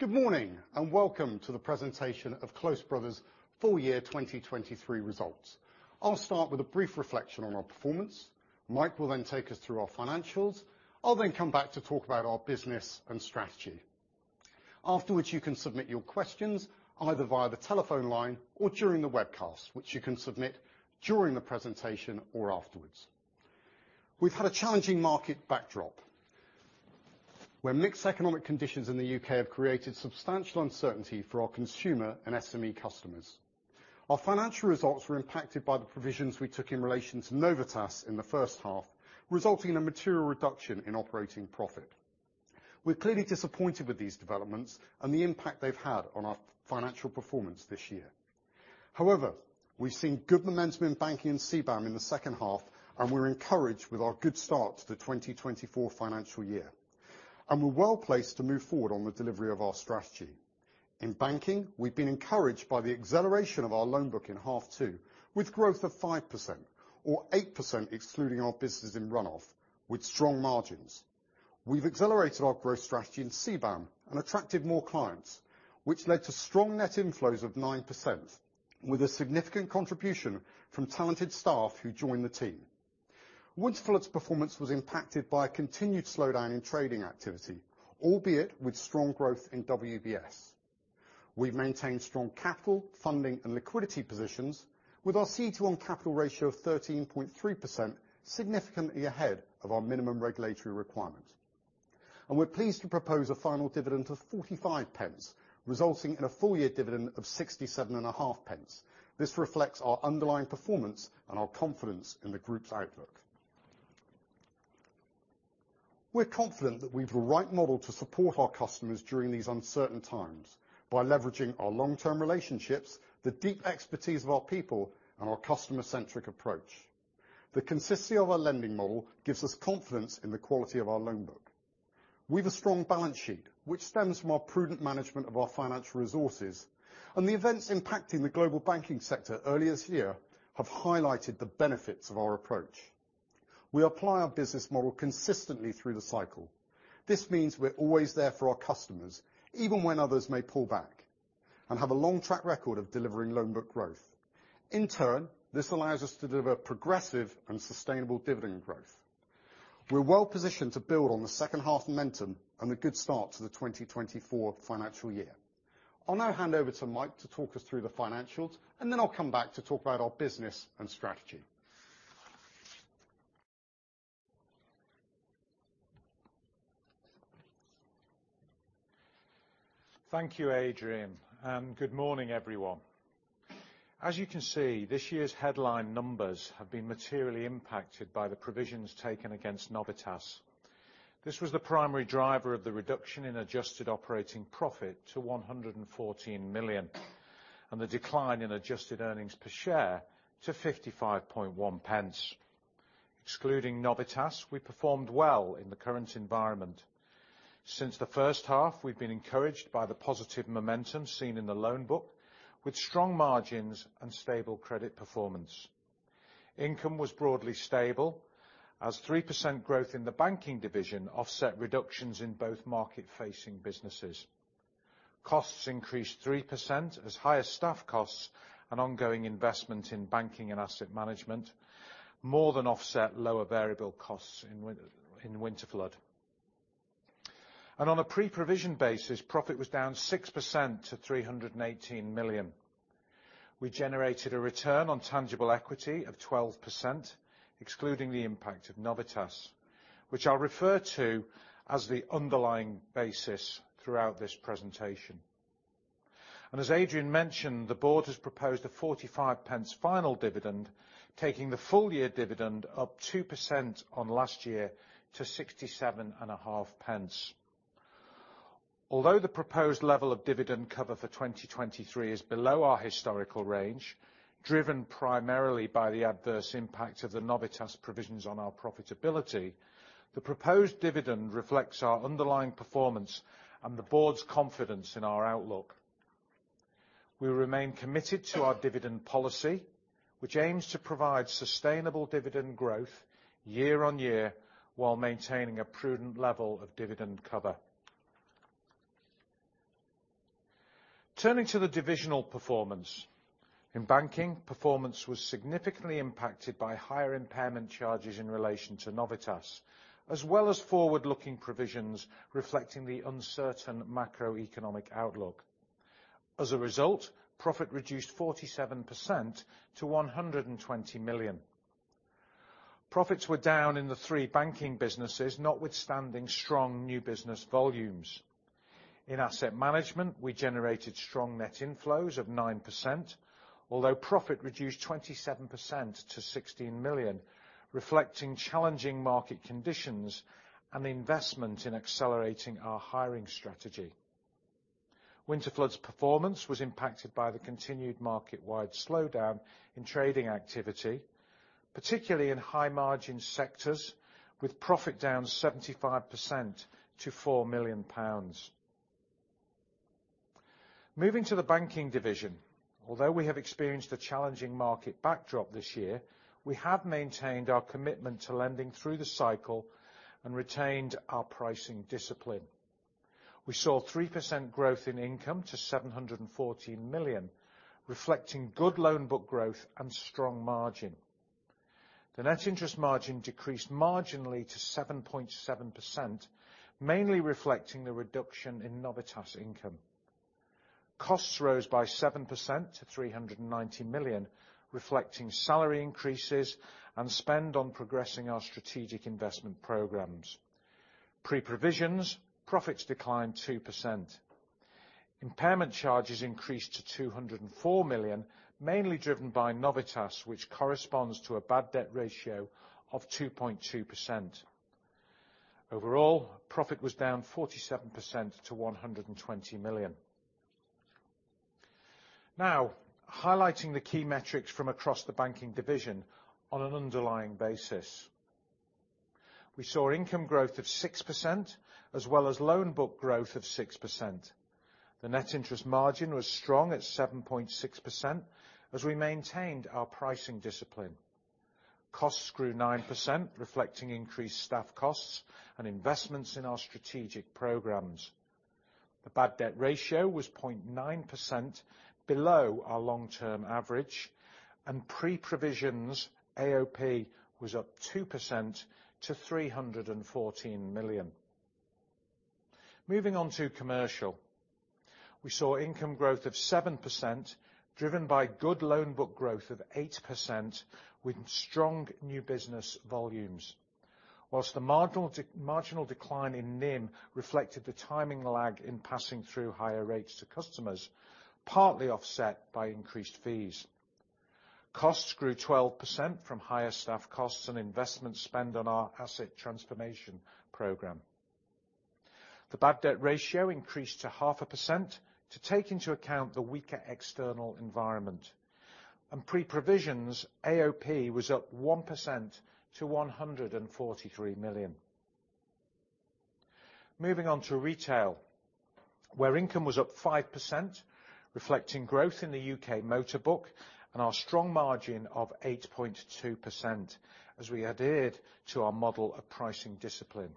Good morning, and welcome to the presentation of Close Brothers' full year 2023 results. I'll start with a brief reflection on our performance. Mike will then take us through our financials. I'll then come back to talk about our business and strategy. Afterwards, you can submit your questions, either via the telephone line or during the webcast, which you can submit during the presentation or afterwards. We've had a challenging market backdrop, where mixed economic conditions in the U.K. have created substantial uncertainty for our consumer and SME customers. Our financial results were impacted by the provisions we took in relation to Novitas in the first half, resulting in a material reduction in operating profit. We're clearly disappointed with these developments and the impact they've had on our financial performance this year. However, we've seen good momentum in banking and CBAM in the second half, and we're encouraged with our good start to the 2024 financial year. We're well placed to move forward on the delivery of our strategy. In banking, we've been encouraged by the acceleration of our loan book in half two, with growth of 5%, or 8% excluding our businesses in run-off, with strong margins. We've accelerated our growth strategy in CBAM and attracted more clients, which led to strong net inflows of 9%, with a significant contribution from talented staff who joined the team. Winterflood's performance was impacted by a continued slowdown in trading activity, albeit with strong growth in WBS. We've maintained strong capital, funding, and liquidity positions, with our CET1 capital ratio of 13.3% significantly ahead of our minimum regulatory requirement. We're pleased to propose a final dividend of 0.45, resulting in a full year dividend of 0.675. This reflects our underlying performance and our confidence in the group's outlook. We're confident that we've the right model to support our customers during these uncertain times by leveraging our long-term relationships, the deep expertise of our people, and our customer-centric approach. The consistency of our lending model gives us confidence in the quality of our loan book. We've a strong balance sheet, which stems from our prudent management of our financial resources, and the events impacting the global banking sector earlier this year have highlighted the benefits of our approach. We apply our business model consistently through the cycle. This means we're always there for our customers, even when others may pull back, and have a long track record of delivering loan book growth. In turn, this allows us to deliver progressive and sustainable dividend growth. We're well positioned to build on the second half momentum and the good start to the 2024 financial year. I'll now hand over to Mike to talk us through the financials, and then I'll come back to talk about our business and strategy. Thank you, Adrian, and good morning, everyone. As you can see, this year's headline numbers have been materially impacted by the provisions taken against Novitas. This was the primary driver of the reduction in adjusted operating profit to 114 million, and the decline in adjusted earnings per share to 0.551. Excluding Novitas, we performed well in the current environment. Since the first half, we've been encouraged by the positive momentum seen in the loan book, with strong margins and stable credit performance. Income was broadly stable, as 3% growth in the banking division offset reductions in both market-facing businesses. Costs increased 3%, as higher staff costs and ongoing investment in banking and asset management more than offset lower variable costs in Winterflood. On a pre-provision basis, profit was down 6% to 318 million. We generated a return on tangible equity of 12%, excluding the impact of Novitas, which I'll refer to as the underlying basis throughout this presentation. As Adrian mentioned, the board has proposed a 0.45 final dividend, taking the full year dividend up 2% on last year to 0.675. Although the proposed level of dividend cover for 2023 is below our historical range, driven primarily by the adverse impact of the Novitas provisions on our profitability, the proposed dividend reflects our underlying performance and the board's confidence in our outlook. We remain committed to our dividend policy, which aims to provide sustainable dividend growth year-on-year, while maintaining a prudent level of dividend cover. Turning to the divisional performance. In banking, performance was significantly impacted by higher impairment charges in relation to Novitas, as well as forward-looking provisions reflecting the uncertain macroeconomic outlook. As a result, profit reduced 47% to 120 million. Profits were down in the three banking businesses, notwithstanding strong new business volumes. In asset management, we generated strong net inflows of 9%, although profit reduced 27% to 16 million, reflecting challenging market conditions and the investment in accelerating our hiring strategy. Winterflood's performance was impacted by the continued market-wide slowdown in trading activity, particularly in high-margin sectors, with profit down 75% to GBP 4 million.... Moving to the banking division. Although we have experienced a challenging market backdrop this year, we have maintained our commitment to lending through the cycle and retained our pricing discipline. We saw 3% growth in income to 714 million, reflecting good loan book growth and strong margin. The net interest margin decreased marginally to 7.7%, mainly reflecting the reduction in Novitas income. Costs rose by 7% to 390 million, reflecting salary increases and spend on progressing our strategic investment programs. Pre-provisions, profits declined 2%. Impairment charges increased to 204 million, mainly driven by Novitas, which corresponds to a bad debt ratio of 2.2%. Overall, profit was down 47% to 120 million. Now, highlighting the key metrics from across the banking division on an underlying basis. We saw income growth of 6%, as well as loan book growth of 6%. The net interest margin was strong at 7.6%, as we maintained our pricing discipline. Costs grew 9%, reflecting increased staff costs and investments in our strategic programs. The bad debt ratio was 0.9% below our long-term average, and pre-provisions AOP was up 2% to 314 million. Moving on to commercial. We saw income growth of 7%, driven by good loan book growth of 8%, with strong new business volumes. While the marginal decline in NIM reflected the timing lag in passing through higher rates to customers, partly offset by increased fees. Costs grew 12% from higher staff costs and investment spend on our asset transformation program. The bad debt ratio increased to 0.5% to take into account the weaker external environment, and pre-provisions AOP was up 1% to 143 million. Moving on to retail, where income was up 5%, reflecting growth in the UK motor book and our strong margin of 8.2% as we adhered to our model of pricing discipline.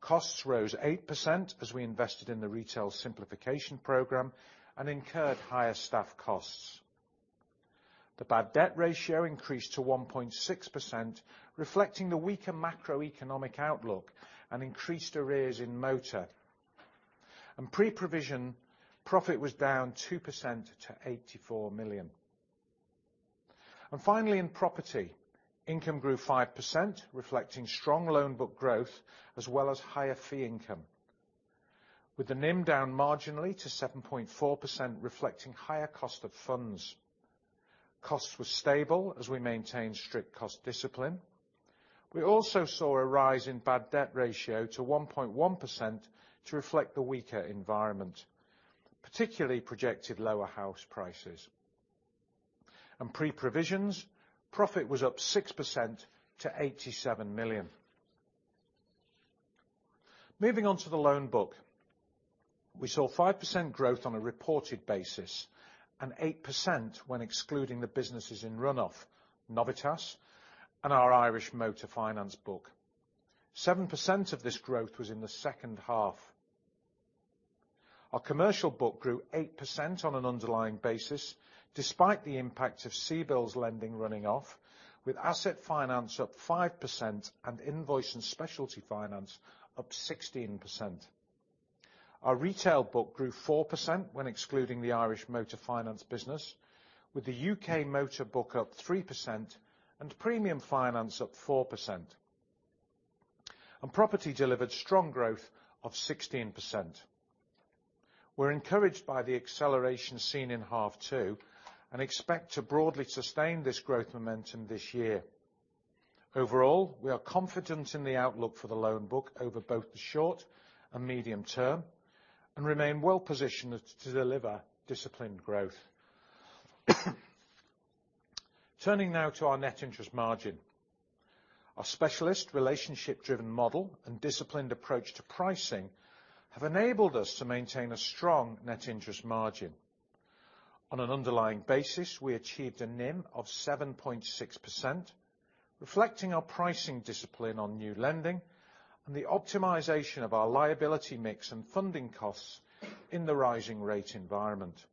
Costs rose 8% as we invested in the retail simplification program and incurred higher staff costs. The bad debt ratio increased to 1.6%, reflecting the weaker macroeconomic outlook and increased arrears in motor. And pre-provision profit was down 2% to 84 million. And finally, in property, income grew 5%, reflecting strong loan book growth, as well as higher fee income. With the NIM down marginally to 7.4%, reflecting higher cost of funds. Costs were stable as we maintained strict cost discipline. We also saw a rise in bad debt ratio to 1.1% to reflect the weaker environment, particularly projected lower house prices. Pre-provisions, profit was up 6% to 87 million. Moving on to the loan book. We saw 5% growth on a reported basis, and 8% when excluding the businesses in run-off, Novitas, and our Irish motor finance book. 7% of this growth was in the second half. Our commercial book grew 8% on an underlying basis, despite the impact of CBILS lending running off, with asset finance up 5% and invoice and specialty finance up 16%. Our retail book grew 4% when excluding the Irish motor finance business, with the UK motor book up 3% and premium finance up 4%. Property delivered strong growth of 16%. We're encouraged by the acceleration seen in half two and expect to broadly sustain this growth momentum this year. Overall, we are confident in the outlook for the loan book over both the short and medium term and remain well positioned to deliver disciplined growth. Turning now to our net interest margin. Our specialist relationship-driven model and disciplined approach to pricing have enabled us to maintain a strong net interest margin. On an underlying basis, we achieved a NIM of 7.6%, reflecting our pricing discipline on new lending and the optimization of our liability mix and funding costs in the rising rate environment.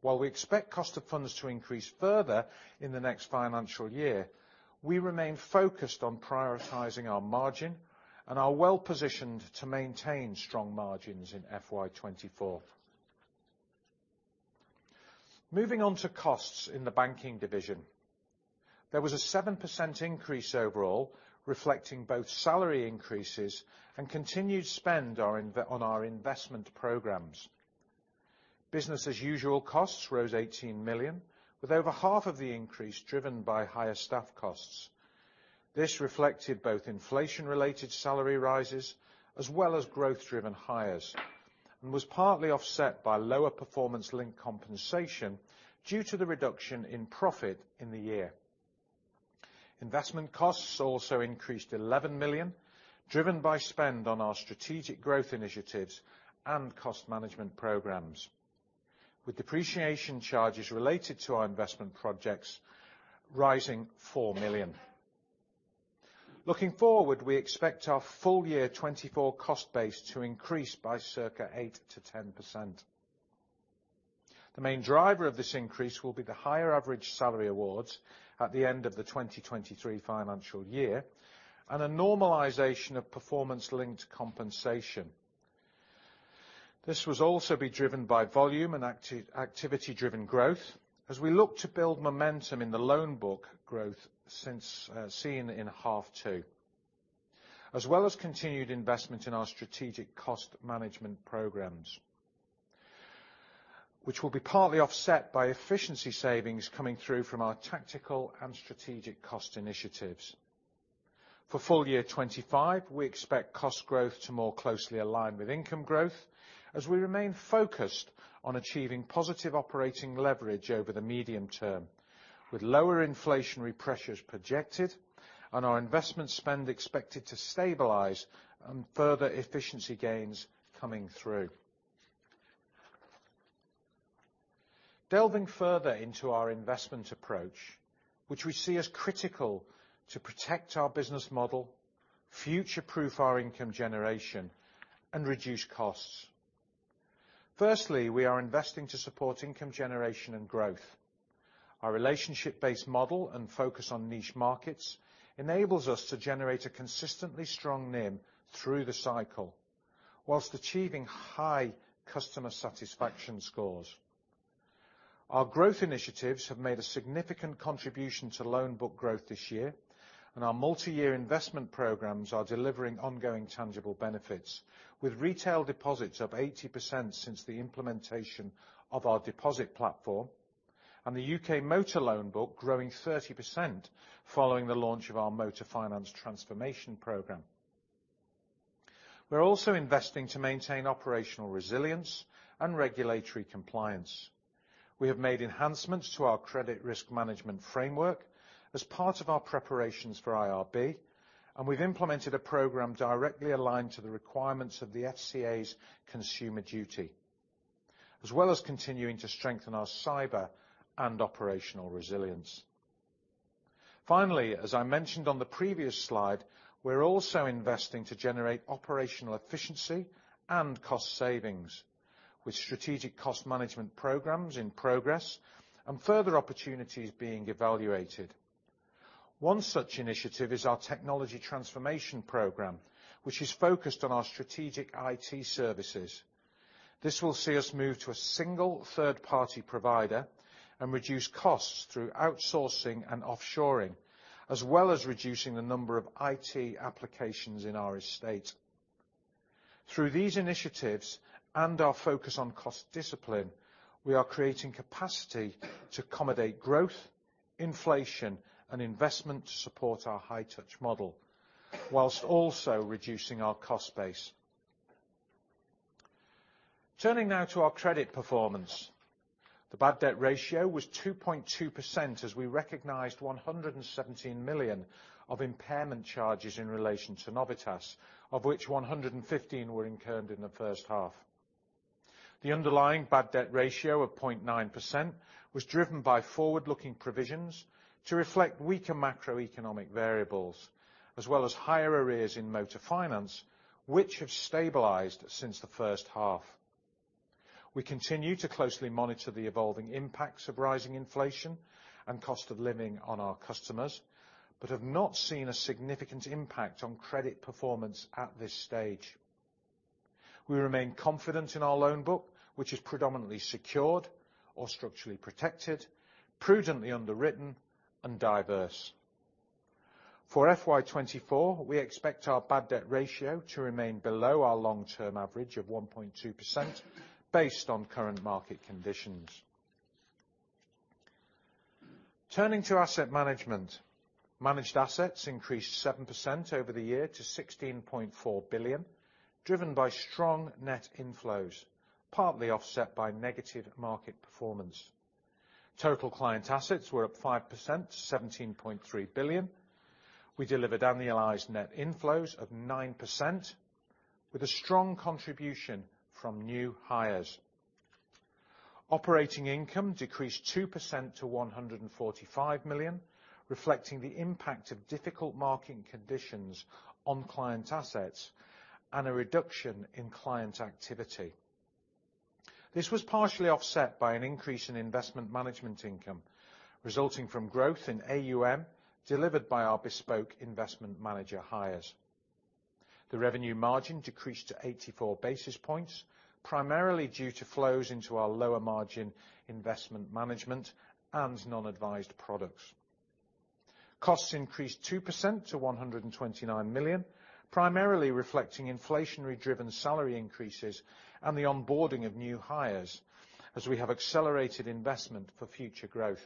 While we expect cost of funds to increase further in the next financial year, we remain focused on prioritizing our margin and are well positioned to maintain strong margins in FY 2024. Moving on to costs in the banking division. There was a 7% increase overall, reflecting both salary increases and continued spend on our investment programs. Business as usual costs rose 18 million, with over half of the increase driven by higher staff costs. This reflected both inflation-related salary rises as well as growth-driven hires, and was partly offset by lower performance-linked compensation due to the reduction in profit in the year.... Investment costs also increased 11 million, driven by spend on our strategic growth initiatives and cost management programs, with depreciation charges related to our investment projects rising 4 million. Looking forward, we expect our full year 2024 cost base to increase by circa 8%-10%. The main driver of this increase will be the higher average salary awards at the end of the 2023 financial year, and a normalization of performance-linked compensation. This will also be driven by volume and activity driven growth, as we look to build momentum in the loan book growth since seen in half 2, as well as continued investment in our strategic cost management programs, which will be partly offset by efficiency savings coming through from our tactical and strategic cost initiatives. For full year 2025, we expect cost growth to more closely align with income growth, as we remain focused on achieving positive operating leverage over the medium term, with lower inflationary pressures projected and our investment spend expected to stabilize and further efficiency gains coming through. Delving further into our investment approach, which we see as critical to protect our business model, future-proof our income generation, and reduce costs. Firstly, we are investing to support income generation and growth. Our relationship base model and focus on niche markets enables us to generate a consistently strong NIM through the cycle, while achieving high customer satisfaction scores. Our growth initiatives have made a significant contribution to loan book growth this year, and our multi-year investment programs are delivering ongoing tangible benefits, with retail deposits up 80% since the implementation of our deposit platform, and the UK motor loan book growing 30% following the launch of our motor finance transformation program. We're also investing to maintain operational resilience and regulatory compliance. We have made enhancements to our credit risk management framework as part of our preparations for IRB, and we've implemented a program directly aligned to the requirements of the FCA's Consumer Duty, as well as continuing to strengthen our cyber and operational resilience. Finally, as I mentioned on the previous slide, we're also investing to generate operational efficiency and cost savings with strategic cost management programs in progress, and further opportunities being evaluated. One such initiative is our technology transformation program, which is focused on our strategic IT services. This will see us move to a single third-party provider and reduce costs through outsourcing and offshoring, as well as reducing the number of IT applications in our estate. Through these initiatives and our focus on cost discipline, we are creating capacity to accommodate growth, inflation, and investment to support our high touch model, while also reducing our cost base. Turning now to our credit performance. The bad debt ratio was 2.2%, as we recognized 117 million of impairment charges in relation to Novitas, of which 115 million were incurred in the first half. The underlying bad debt ratio of 0.9% was driven by forward-looking provisions to reflect weaker macroeconomic variables, as well as higher arrears in motor finance, which have stabilized since the first half. We continue to closely monitor the evolving impacts of rising inflation and cost of living on our customers, but have not seen a significant impact on credit performance at this stage. We remain confident in our loan book, which is predominantly secured or structurally protected, prudently underwritten, and diverse. For FY 2024, we expect our bad debt ratio to remain below our long-term average of 1.2% based on current market conditions. Turning to asset management. Managed assets increased 7% over the year to 16.4 billion, driven by strong net inflows, partly offset by negative market performance. Total client assets were up 5% to 17.3 billion. We delivered annualized net inflows of 9%, with a strong contribution from new hires. Operating income decreased 2% to 145 million, reflecting the impact of difficult marketing conditions on client assets and a reduction in client activity. This was partially offset by an increase in investment management income, resulting from growth in AUM, delivered by our bespoke investment manager hires. The revenue margin decreased to 84 basis points, primarily due to flows into our lower margin investment management and non-advised products. Costs increased 2% to 129 million, primarily reflecting inflationary driven salary increases and the onboarding of new hires, as we have accelerated investment for future growth.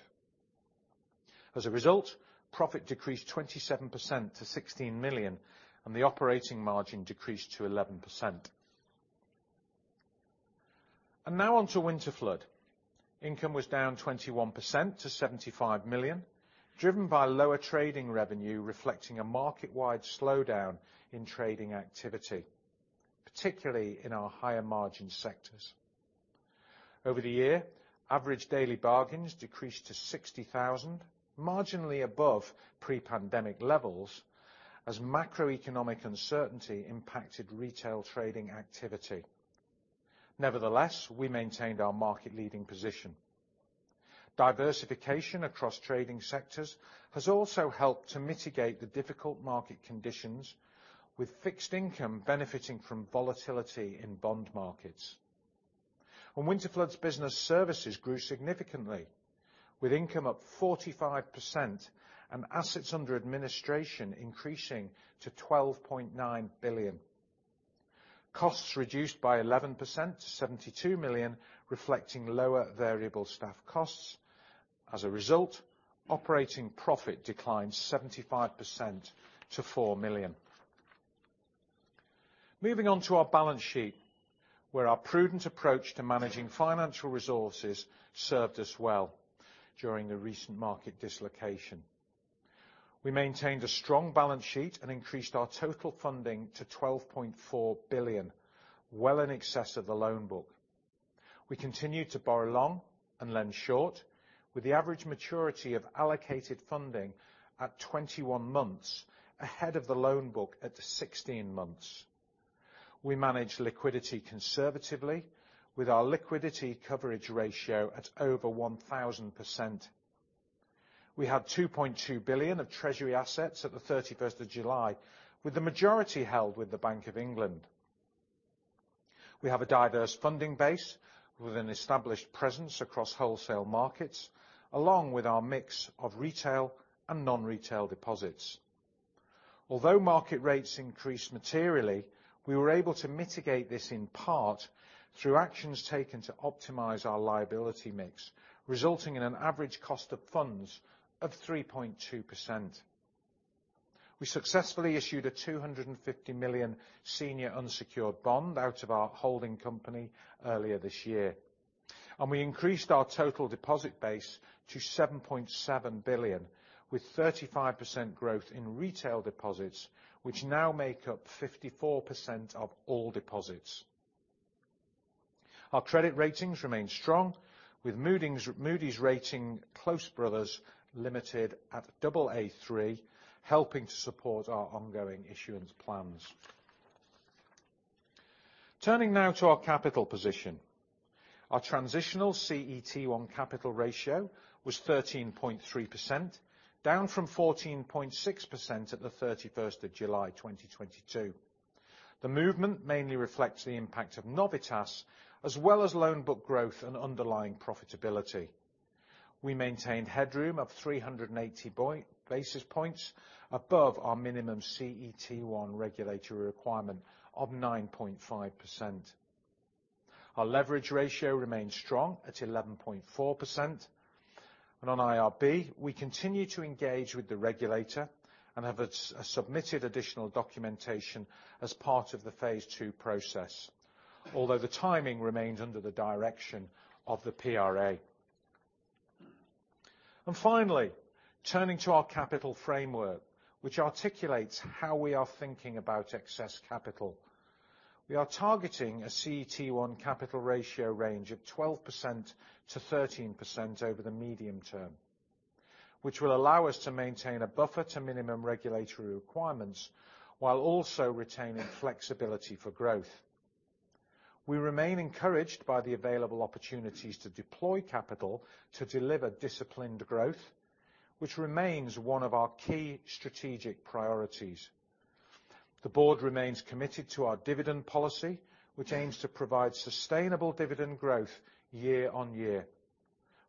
As a result, profit decreased 27% to 16 million, and the operating margin decreased to 11%.... And now on to Winterflood. Income was down 21% to 75 million, driven by lower trading revenue, reflecting a market-wide slowdown in trading activity, particularly in our higher margin sectors. Over the year, average daily bargains decreased to 60,000, marginally above pre-pandemic levels, as macroeconomic uncertainty impacted retail trading activity. Nevertheless, we maintained our market leading position. Diversification across trading sectors has also helped to mitigate the difficult market conditions, with fixed income benefiting from volatility in bond markets. Winterflood's Business Services grew significantly, with income up 45% and Assets Under Administration increasing to 12.9 billion. Costs reduced by 11% to 72 million, reflecting lower variable staff costs. As a result, operating profit declined 75% to 4 million. Moving on to our balance sheet, where our prudent approach to managing financial resources served us well during the recent market dislocation. We maintained a strong balance sheet and increased our total funding to 12.4 billion, well in excess of the loan book. We continued to borrow long and lend short, with the average maturity of allocated funding at 21 months, ahead of the loan book at the 16 months. We managed liquidity conservatively, with our liquidity coverage ratio at over 1,000%. We had 2.2 billion of treasury assets at the 31st of July, with the majority held with the Bank of England. We have a diverse funding base with an established presence across wholesale markets, along with our mix of retail and non-retail deposits. Although market rates increased materially, we were able to mitigate this in part through actions taken to optimize our liability mix, resulting in an average cost of funds of 3.2%. We successfully issued a 250 million senior unsecured bond out of our holding company earlier this year, and we increased our total deposit base to 7.7 billion, with 35% growth in retail deposits, which now make up 54% of all deposits. Our credit ratings remain strong, with Moody's rating Close Brothers Limited at Aa3, helping to support our ongoing issuance plans. Turning now to our capital position. Our transitional CET1 capital ratio was 13.3%, down from 14.6% at the 31st of July, 2022. The movement mainly reflects the impact of Novitas, as well as loan book growth and underlying profitability. We maintained headroom of 380 basis points above our minimum CET1 regulatory requirement of 9.5%. Our leverage ratio remains strong at 11.4%, and on IRB, we continue to engage with the regulator and have submitted additional documentation as part of the phase two process, although the timing remains under the direction of the PRA. Finally, turning to our capital framework, which articulates how we are thinking about excess capital. We are targeting a CET1 capital ratio range of 12%-13% over the medium term, which will allow us to maintain a buffer to minimum regulatory requirements, while also retaining flexibility for growth. We remain encouraged by the available opportunities to deploy capital to deliver disciplined growth, which remains one of our key strategic priorities. The board remains committed to our dividend policy, which aims to provide sustainable dividend growth year-on-year,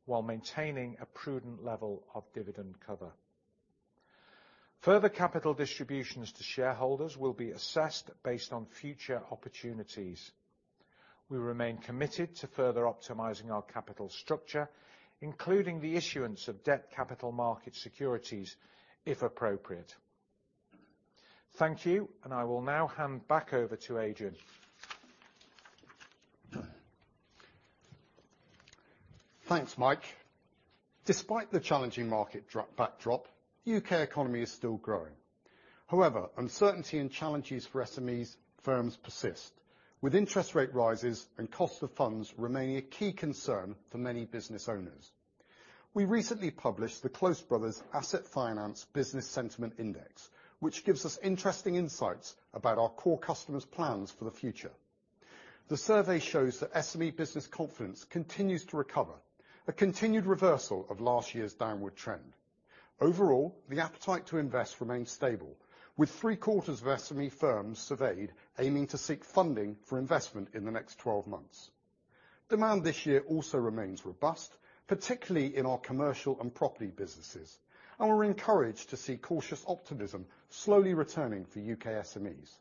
while maintaining a prudent level of dividend cover. Further capital distributions to shareholders will be assessed based on future opportunities. We remain committed to further optimizing our capital structure, including the issuance of debt capital market securities, if appropriate. Thank you, and I will now hand back over to Adrian. Thanks, Mike. Despite the challenging market backdrop, the U.K. economy is still growing. However, uncertainty and challenges for SME firms persist, with interest rate rises and cost of funds remaining a key concern for many business owners. We recently published the Close Brothers Asset Finance Business Sentiment Index, which gives us interesting insights about our core customers' plans for the future. The survey shows that SME business confidence continues to recover, a continued reversal of last year's downward trend. Overall, the appetite to invest remains stable, with three quarters of SME firms surveyed aiming to seek funding for investment in the next 12 months. Demand this year also remains robust, particularly in our commercial and property businesses, and we're encouraged to see cautious optimism slowly returning for U.K. SMEs.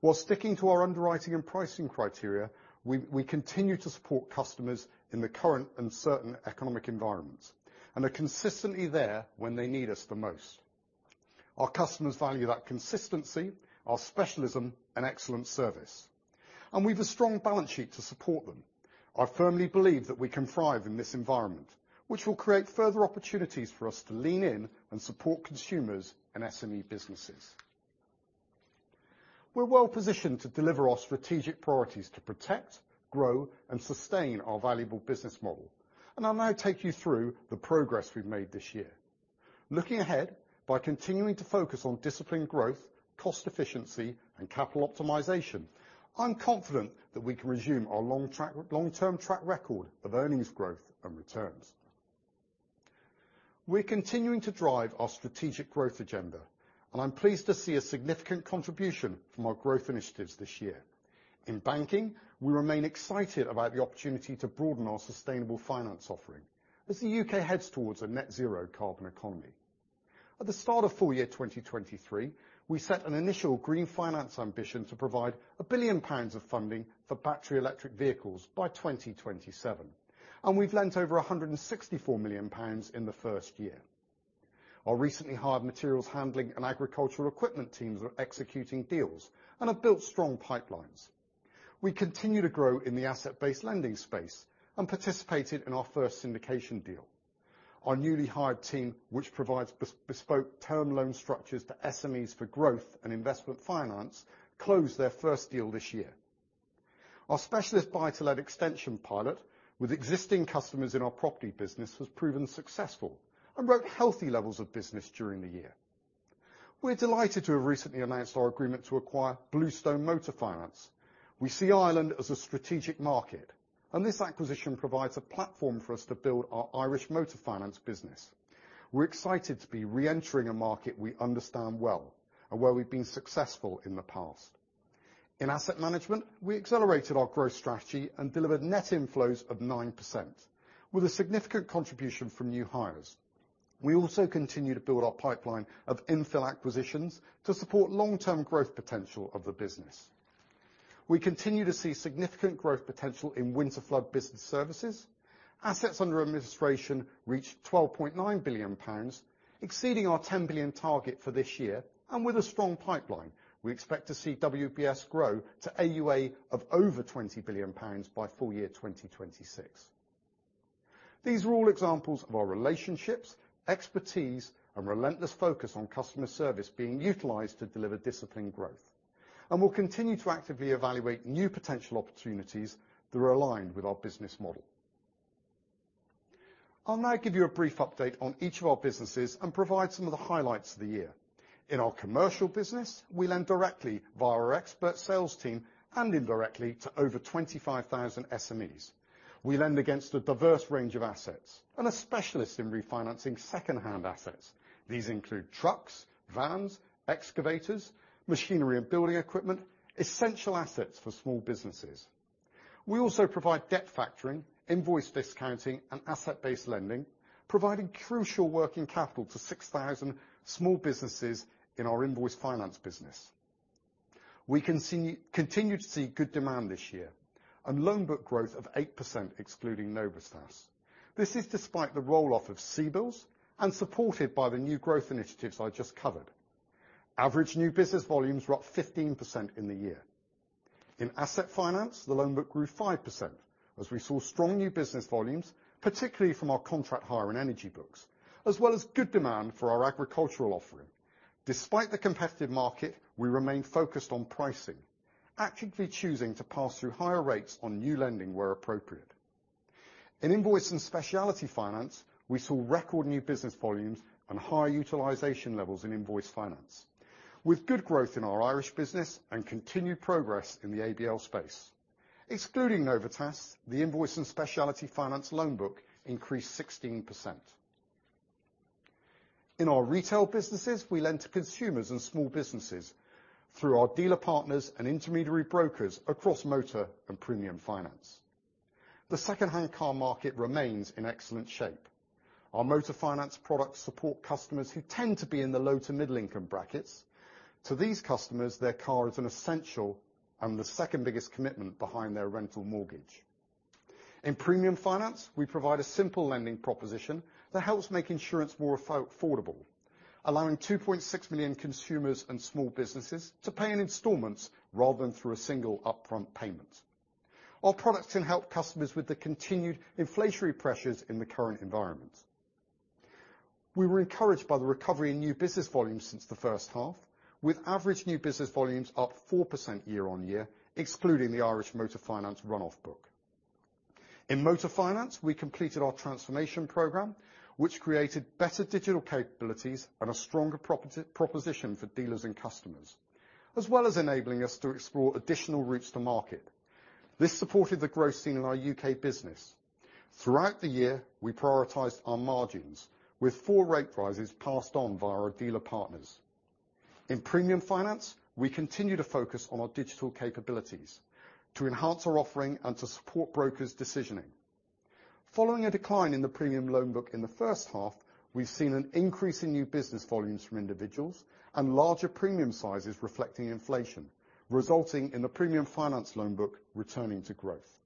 While sticking to our underwriting and pricing criteria, we continue to support customers in the current uncertain economic environment and are consistently there when they need us the most. Our customers value that consistency, our specialism, and excellent service, and we've a strong balance sheet to support them. I firmly believe that we can thrive in this environment, which will create further opportunities for us to lean in and support consumers and SME businesses. We're well positioned to deliver our strategic priorities to protect, grow, and sustain our valuable business model, and I'll now take you through the progress we've made this year. Looking ahead, by continuing to focus on disciplined growth, cost efficiency, and capital optimization, I'm confident that we can resume our long-term track record of earnings growth and returns. We're continuing to drive our strategic growth agenda, and I'm pleased to see a significant contribution from our growth initiatives this year. In banking, we remain excited about the opportunity to broaden our sustainable finance offering as the UK heads towards a net zero carbon economy. At the start of full year 2023, we set an initial green finance ambition to provide 1 billion pounds of funding for battery electric vehicles by 2027, and we've lent over 164 million pounds in the first year. Our recently hired materials handling and agricultural equipment teams are executing deals and have built strong pipelines. We continue to grow in the asset-based lending space and participated in our first syndication deal. Our newly hired team, which provides bespoke term loan structures to SMEs for growth and investment finance, closed their first deal this year. Our specialist buy-to-let extension pilot with existing customers in our property business has proven successful and wrote healthy levels of business during the year. We're delighted to have recently announced our agreement to acquire Bluestone Motor Finance. We see Ireland as a strategic market, and this acquisition provides a platform for us to build our Irish motor finance business. We're excited to be reentering a market we understand well, and where we've been successful in the past. In asset management, we accelerated our growth strategy and delivered net inflows of 9%, with a significant contribution from new hires. We also continue to build our pipeline of infill acquisitions to support long-term growth potential of the business. We continue to see significant growth potential in Winterflood Business Services. Assets under administration reached 12.9 billion pounds, exceeding our 10 billion target for this year, and with a strong pipeline, we expect to see WBS grow to AUA of over 20 billion pounds by full year 2026. These are all examples of our relationships, expertise, and relentless focus on customer service being utilized to deliver disciplined growth, and we'll continue to actively evaluate new potential opportunities that are aligned with our business model. I'll now give you a brief update on each of our businesses and provide some of the highlights of the year. In our commercial business, we lend directly via our expert sales team and indirectly to over 25,000 SMEs. We lend against a diverse range of assets and are specialists in refinancing second-hand assets. These include trucks, vans, excavators, machinery and building equipment, essential assets for small businesses. We also provide debt factoring, invoice discounting, and asset-based lending, providing crucial working capital to 6,000 small businesses in our invoice finance business. We continue to see good demand this year and loan book growth of 8%, excluding Novitas. This is despite the roll-off of CBILS and supported by the new growth initiatives I just covered. Average new business volumes were up 15% in the year. In asset finance, the loan book grew 5%, as we saw strong new business volumes, particularly from our contract hire and energy books, as well as good demand for our agricultural offering. Despite the competitive market, we remained focused on pricing, actively choosing to pass through higher rates on new lending where appropriate. In invoice and specialty finance, we saw record new business volumes and higher utilization levels in invoice finance, with good growth in our Irish business and continued progress in the ABL space. Excluding Novitas, the invoice and specialty finance loan book increased 16%. In our retail businesses, we lend to consumers and small businesses through our dealer partners and intermediary brokers across motor and premium finance. The second-hand car market remains in excellent shape. Our motor finance products support customers who tend to be in the low to middle income brackets. To these customers, their car is an essential and the second biggest commitment behind their rental mortgage. In premium finance, we provide a simple lending proposition that helps make insurance more affordable, allowing 2.6 million consumers and small businesses to pay in installments rather than through a single upfront payment. Our products can help customers with the continued inflationary pressures in the current environment. We were encouraged by the recovery in new business volumes since the first half, with average new business volumes up 4% year-on-year, excluding the Irish Motor Finance run-off book. In motor finance, we completed our transformation program, which created better digital capabilities and a stronger proposition for dealers and customers, as well as enabling us to explore additional routes to market. This supported the growth seen in our U.K. business. Throughout the year, we prioritized our margins with four rate rises passed on via our dealer partners. In premium finance, we continue to focus on our digital capabilities to enhance our offering and to support brokers' decisioning. Following a decline in the premium loan book in the first half, we've seen an increase in new business volumes from individuals and larger premium sizes reflecting inflation, resulting in the premium finance loan book returning to growth.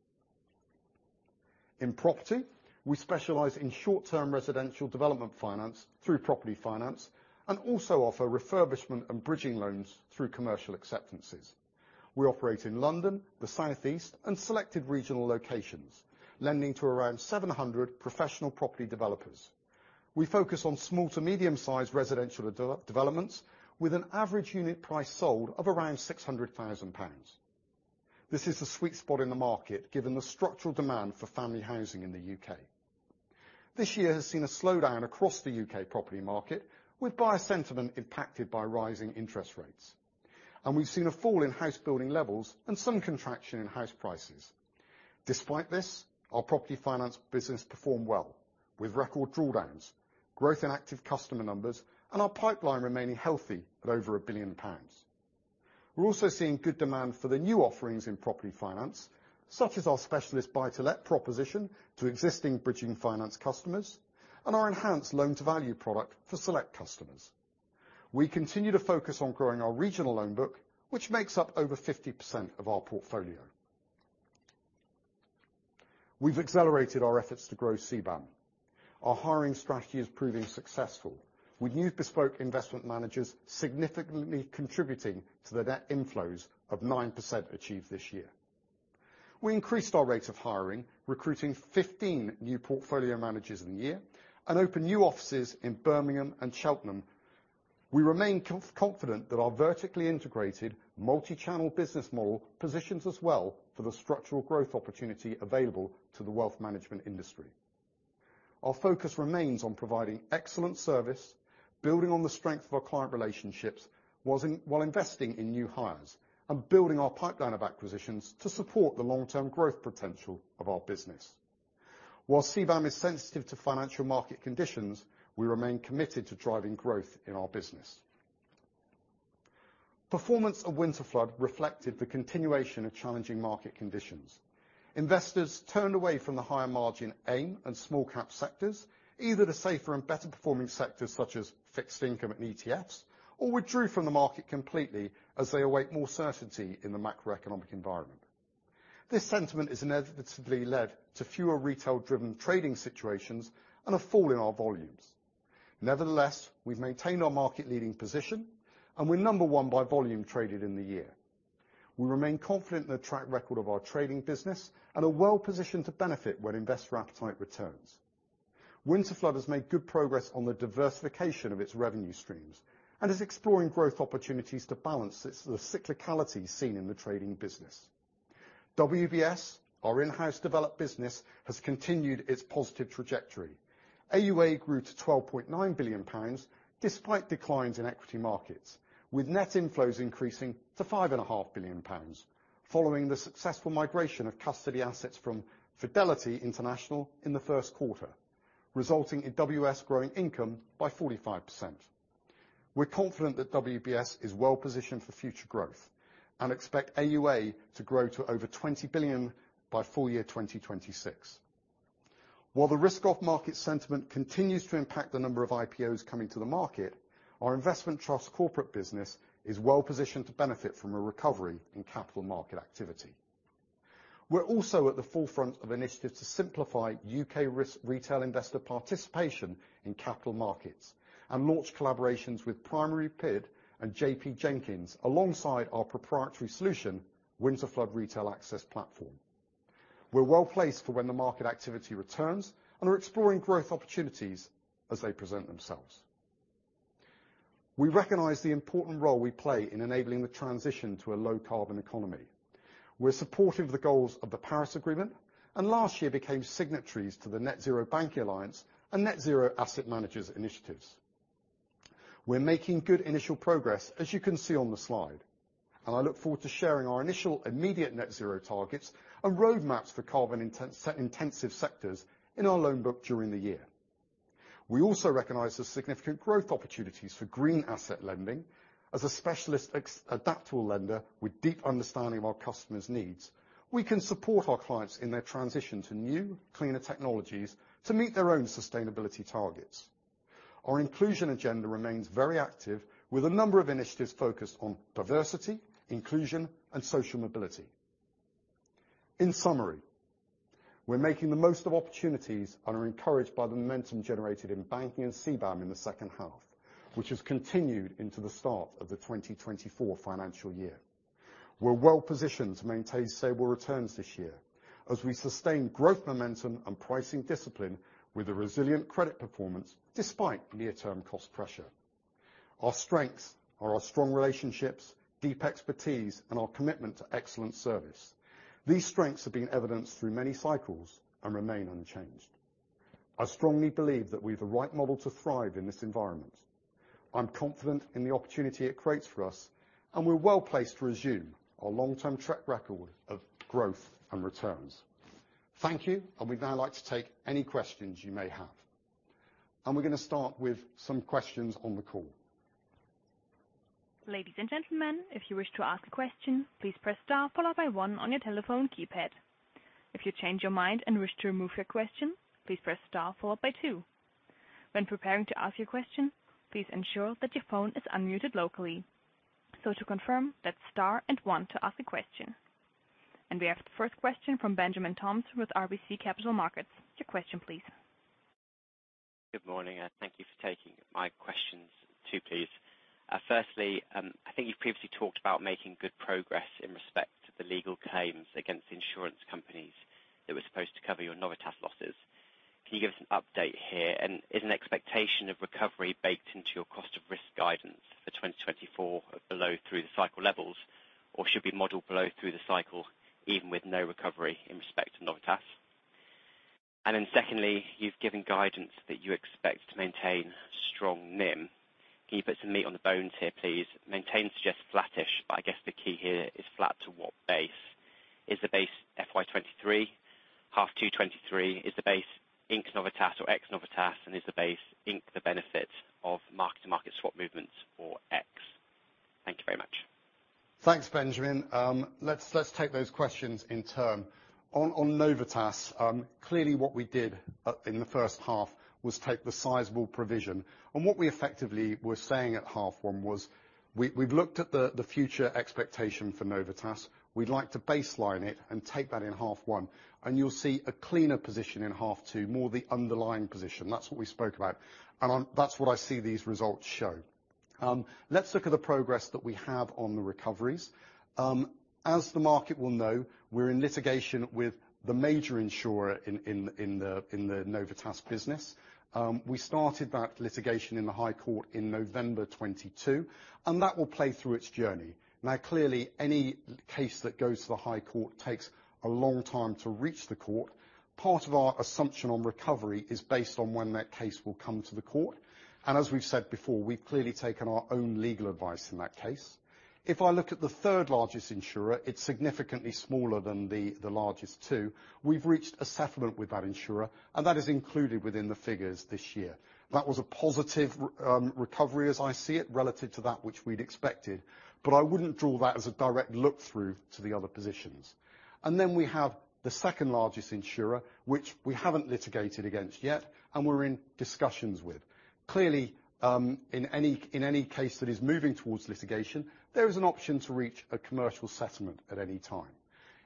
In property, we specialize in short-term residential development finance through property finance, and also offer refurbishment and bridging loans through commercial acceptances. We operate in London, the Southeast, and selected regional locations, lending to around 700 professional property developers. We focus on small to medium-sized residential developments, with an average unit price sold of around 600,000 pounds. This is the sweet spot in the market, given the structural demand for family housing in the UK. This year has seen a slowdown across the UK property market, with buyer sentiment impacted by rising interest rates, and we've seen a fall in house building levels and some contraction in house prices. Despite this, our property finance business performed well, with record drawdowns, growth in active customer numbers, and our pipeline remaining healthy at over 1 billion pounds. We're also seeing good demand for the new offerings in property finance, such as our specialist buy-to-let proposition to existing bridging finance customers and our enhanced loan-to-value product for select customers. We continue to focus on growing our regional loan book, which makes up over 50% of our portfolio. We've accelerated our efforts to grow CBAM. Our hiring strategy is proving successful, with new bespoke investment managers significantly contributing to the net inflows of 9% achieved this year. We increased our rate of hiring, recruiting 15 new portfolio managers in the year, and opened new offices in Birmingham and Cheltenham. We remain confident that our vertically integrated, multi-channel business model positions us well for the structural growth opportunity available to the wealth management industry. Our focus remains on providing excellent service, building on the strength of our client relationships, while investing in new hires and building our pipeline of acquisitions to support the long-term growth potential of our business. While CBAM is sensitive to financial market conditions, we remain committed to driving growth in our business. Performance of Winterflood reflected the continuation of challenging market conditions. Investors turned away from the higher margin AIM and small-cap sectors, either to safer and better performing sectors such as fixed income and ETFs, or withdrew from the market completely as they await more certainty in the macroeconomic environment. This sentiment has inevitably led to fewer retail-driven trading situations and a fall in our volumes. Nevertheless, we've maintained our market-leading position, and we're number one by volume traded in the year. We remain confident in the track record of our trading business and are well positioned to benefit when investor appetite returns. Winterflood has made good progress on the diversification of its revenue streams and is exploring growth opportunities to balance its the cyclicality seen in the trading business. WBS, our in-house developed business, has continued its positive trajectory. AUA grew to 12.9 billion pounds, despite declines in equity markets, with net inflows increasing to 5.5 billion pounds, following the successful migration of custody assets from Fidelity International in the first quarter, resulting in WBS growing income by 45%. We're confident that WBS is well positioned for future growth and expect AUA to grow to over 20 billion by full year 2026. While the risk-off market sentiment continues to impact the number of IPOs coming to the market, our investment trust corporate business is well positioned to benefit from a recovery in capital market activity. We're also at the forefront of initiatives to simplify UK retail investor participation in capital markets and launch collaborations with PrimaryBid and JP Jenkins, alongside our proprietary solution, Winterflood Retail Access Platform. We're well placed for when the market activity returns and are exploring growth opportunities as they present themselves. We recognize the important role we play in enabling the transition to a low-carbon economy. We're supportive of the goals of the Paris Agreement, and last year became signatories to the Net Zero Banking Alliance and Net Zero Asset Managers Initiative. We're making good initial progress, as you can see on the slide, and I look forward to sharing our initial immediate net zero targets and roadmaps for carbon-intensive sectors in our loan book during the year. We also recognize the significant growth opportunities for green asset lending. As a specialist, adaptable lender with deep understanding of our customers' needs, we can support our clients in their transition to new, cleaner technologies to meet their own sustainability targets. Our inclusion agenda remains very active, with a number of initiatives focused on diversity, inclusion, and social mobility. In summary, we're making the most of opportunities and are encouraged by the momentum generated in banking and CBAM in the second half, which has continued into the start of the 2024 financial year. We're well positioned to maintain stable returns this year as we sustain growth, momentum, and pricing discipline with a resilient credit performance despite near-term cost pressure. Our strengths are our strong relationships, deep expertise, and our commitment to excellent service. These strengths have been evidenced through many cycles and remain unchanged. I strongly believe that we're the right model to thrive in this environment. I'm confident in the opportunity it creates for us, and we're well placed to resume our long-term track record of growth and returns. Thank you, and we'd now like to take any questions you may have. We're gonna start with some questions on the call. Ladies and gentlemen, if you wish to ask a question, please press star followed by one on your telephone keypad. If you change your mind and wish to remove your question, please press star followed by two.... When preparing to ask your question, please ensure that your phone is unmuted locally. So to confirm, that's star and one to ask a question. And we have the first question from Benjamin Toms with RBC Capital Markets. Your question, please. Good morning, and thank you for taking my questions. Two, please. Firstly, I think you've previously talked about making good progress in respect to the legal claims against insurance companies that were supposed to cover your Novitas losses. Can you give us an update here? And is an expectation of recovery baked into your cost of risk guidance for 2024 or below through the cycle levels, or should we model below through the cycle even with no recovery in respect to Novitas? And then secondly, you've given guidance that you expect to maintain strong NIM. Can you put some meat on the bones here, please? Maintain suggests flattish, but I guess the key here is flat to what base? Is the base FY 2023, H2 2023, is the base inc Novitas or ex Novitas, and is the base inc the benefit of mark-to-market swap movements or ex? Thank you very much. Thanks, Benjamin. Let's take those questions in turn. On Novitas, clearly what we did in the first half was take the sizable provision. And what we effectively were saying at half one was, we've looked at the future expectation for Novitas. We'd like to baseline it and take that in half one, and you'll see a cleaner position in half two, more the underlying position. That's what we spoke about, and that's what I see these results show. Let's look at the progress that we have on the recoveries. As the market will know, we're in litigation with the major insurer in the Novitas business. We started that litigation in the High Court in November 2022, and that will play through its journey. Now, clearly, any case that goes to the High Court takes a long time to reach the court. Part of our assumption on recovery is based on when that case will come to the court, and as we've said before, we've clearly taken our own legal advice in that case. If I look at the third largest insurer, it's significantly smaller than the largest two. We've reached a settlement with that insurer, and that is included within the figures this year. That was a positive recovery, as I see it, relative to that, which we'd expected, but I wouldn't draw that as a direct look-through to the other positions. And then we have the second largest insurer, which we haven't litigated against yet, and we're in discussions with. Clearly, in any, in any case that is moving towards litigation, there is an option to reach a commercial settlement at any time.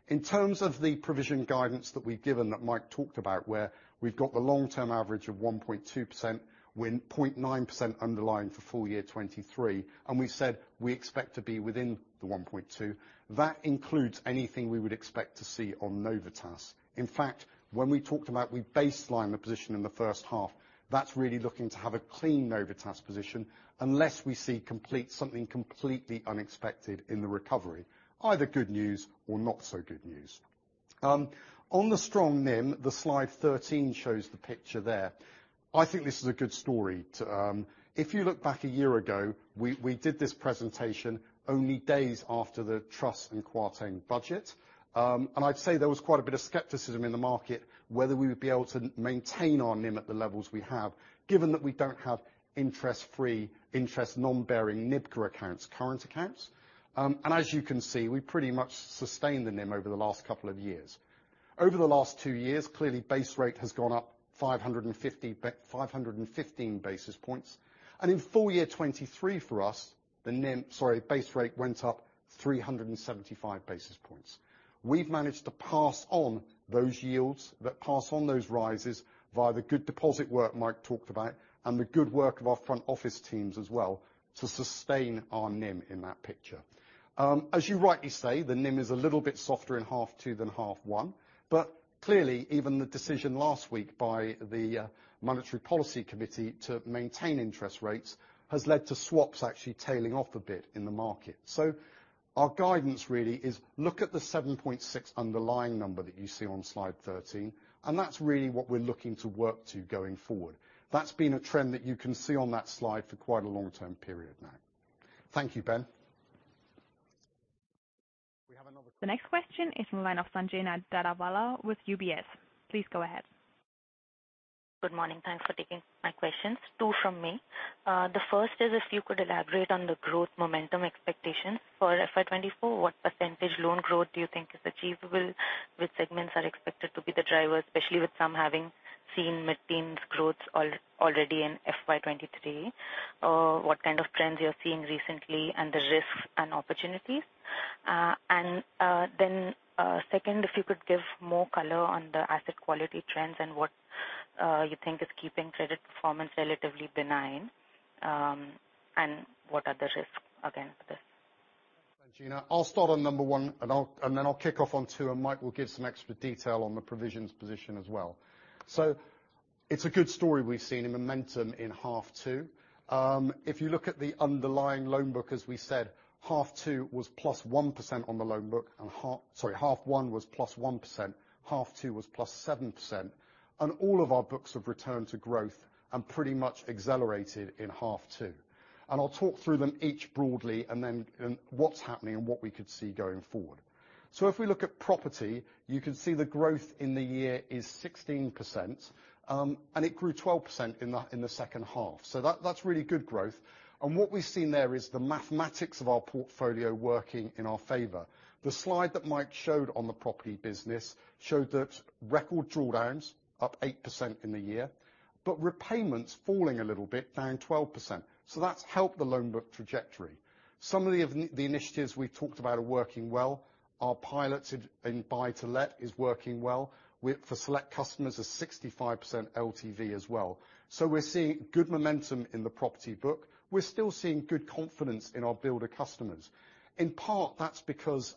In terms of the provision guidance that we've given, that Mike talked about, where we've got the long-term average of 1.2%, with 0.9% underlying for full year 2023, and we said we expect to be within the 1.2, that includes anything we would expect to see on Novitas. In fact, when we talked about we baseline the position in the first half, that's really looking to have a clean Novitas position, unless we see something completely unexpected in the recovery, either good news or not so good news. On the strong NIM, the Slide 13 shows the picture there. I think this is a good story. So, if you look back a year ago, we, we did this presentation only days after the Truss and Kwarteng budget. And I'd say there was quite a bit of skepticism in the market whether we would be able to maintain our NIM at the levels we have, given that we don't have interest-free, interest non-bearing current accounts. And as you can see, we pretty much sustained the NIM over the last couple of years. Over the last two years, clearly, base rate has gone up 550, 515 basis points. And in full year 2023 for us, the NIM, sorry, base rate went up 375 basis points. We've managed to pass on those yields, that pass on those rises via the good deposit work Mike talked about, and the good work of our front office teams as well, to sustain our NIM in that picture. As you rightly say, the NIM is a little bit softer in half two than half one, but clearly, even the decision last week by the Monetary Policy Committee to maintain interest rates has led to swaps actually tailing off a bit in the market. So our guidance really is look at the 7.6 underlying number that you see on Slide 13, and that's really what we're looking to work to going forward. That's been a trend that you can see on that slide for quite a long time period now. Thank you, Ben. The next question is from the line of Sanjana Dadawala with UBS. Please go ahead. Good morning. Thanks for taking my questions. Two from me. The first is if you could elaborate on the growth momentum expectation for FY 2024, what percentage loan growth do you think is achievable? Which segments are expected to be the driver, especially with some having seen mid-teens growth already in FY 2023? What kind of trends you are seeing recently and the risks and opportunities? And then, second, if you could give more color on the asset quality trends and what you think is keeping credit performance relatively benign, and what are the risks against this? Sanjana, I'll start on number 1, and then I'll kick off on 2, and Mike will give some extra detail on the provisions position as well. So it's a good story we've seen in momentum in half 2. If you look at the underlying loan book, as we said, half 2 was +1% on the loan book, and half... Sorry, half 1 was +1%, half 2 was +7%, and all of our books have returned to growth and pretty much accelerated in half 2. And I'll talk through them each broadly and then, and what's happening and what we could see going forward.... So if we look at property, you can see the growth in the year is 16%, and it grew 12% in the second half. So that, that's really good growth. What we've seen there is the mathematics of our portfolio working in our favor. The slide that Mike showed on the property business showed that record drawdowns, up 8% in the year, but repayments falling a little bit, down 12%. So that's helped the loan book trajectory. Some of the initiatives we've talked about are working well. Our piloted in buy to let is working well. We-- for select customers, a 65% LTV as well. So we're seeing good momentum in the property book. We're still seeing good confidence in our builder customers. In part, that's because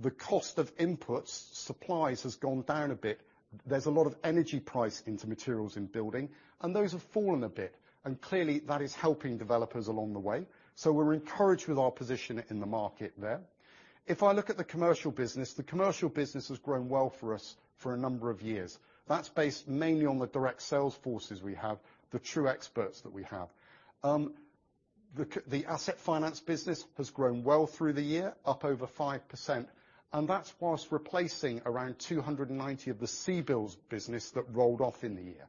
the cost of inputs, supplies, has gone down a bit. There's a lot of energy price into materials in building, and those have fallen a bit, and clearly, that is helping developers along the way. So we're encouraged with our position in the market there. If I look at the commercial business, the commercial business has grown well for us for a number of years. That's based mainly on the direct sales forces we have, the true experts that we have. The asset finance business has grown well through the year, up over 5%, and that's whilst replacing around 290 of the CBILS business that rolled off in the year.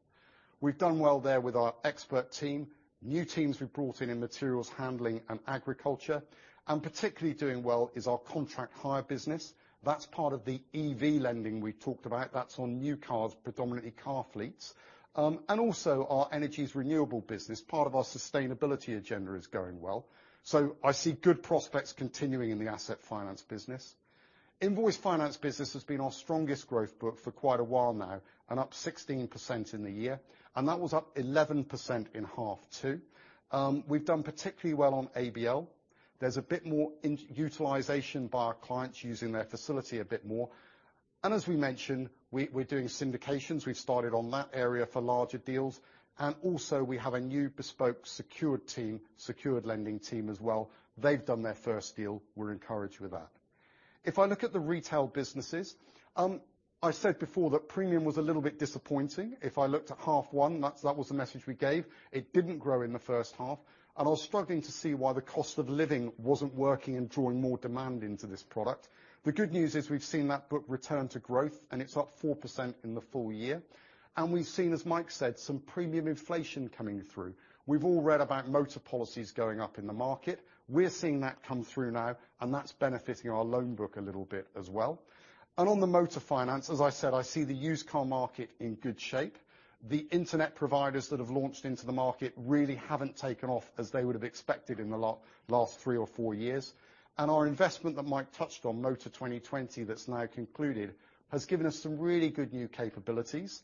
We've done well there with our expert team, new teams we've brought in, in materials handling and agriculture, and particularly doing well is our contract hire business. That's part of the EV lending we talked about. That's on new cars, predominantly car fleets. And also our energy renewable business, part of our sustainability agenda is going well. So I see good prospects continuing in the asset finance business. Invoice finance business has been our strongest growth book for quite a while now, and up 16% in the year, and that was up 11% in half two. We've done particularly well on ABL. There's a bit more utilization by our clients using their facility a bit more. And as we mentioned, we're doing syndications. We've started on that area for larger deals. And also, we have a new bespoke secured team, secured lending team as well. They've done their first deal. We're encouraged with that. If I look at the retail businesses, I said before that premium was a little bit disappointing. If I looked at half one, that was the message we gave. It didn't grow in the first half, and I was struggling to see why the cost of living wasn't working and drawing more demand into this product. The good news is we've seen that book return to growth, and it's up 4% in the full year. And we've seen, as Mike said, some premium inflation coming through. We've all read about motor policies going up in the market. We're seeing that come through now, and that's benefiting our loan book a little bit as well. And on the motor finance, as I said, I see the used car market in good shape. The internet providers that have launched into the market really haven't taken off as they would have expected in the last three or four years. And our investment that Mike touched on, Motor 2020, that's now concluded, has given us some really good new capabilities.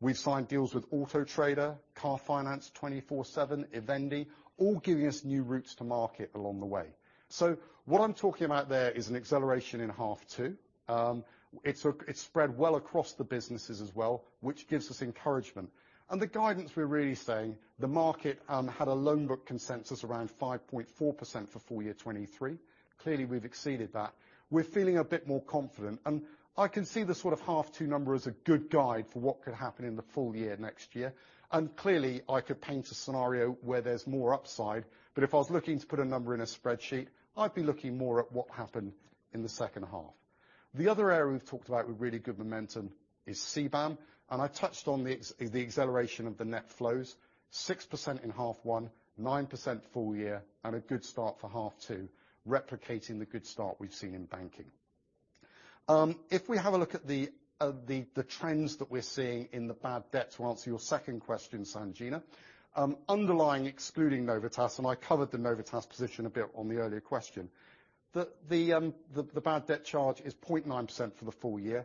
We've signed deals with Auto Trader, Car Finance 247, iVendi, all giving us new routes to market along the way. So what I'm talking about there is an acceleration in half two. It's spread well across the businesses as well, which gives us encouragement. And the guidance we're really saying, the market had a loan book consensus around 5.4% for full year 2023. Clearly, we've exceeded that. We're feeling a bit more confident, and I can see the sort of half two number as a good guide for what could happen in the full year next year. And clearly, I could paint a scenario where there's more upside, but if I was looking to put a number in a spreadsheet, I'd be looking more at what happened in the second half. The other area we've talked about with really good momentum is CBAM, and I touched on the acceleration of the net flows. 6% in H1, 9% full year, and a good start for H2, replicating the good start we've seen in banking. If we have a look at the trends that we're seeing in the bad debt, to answer your second question, Sanjana, underlying, excluding Novitas, and I covered the Novitas position a bit on the earlier question. The bad debt charge is 0.9% for the full year,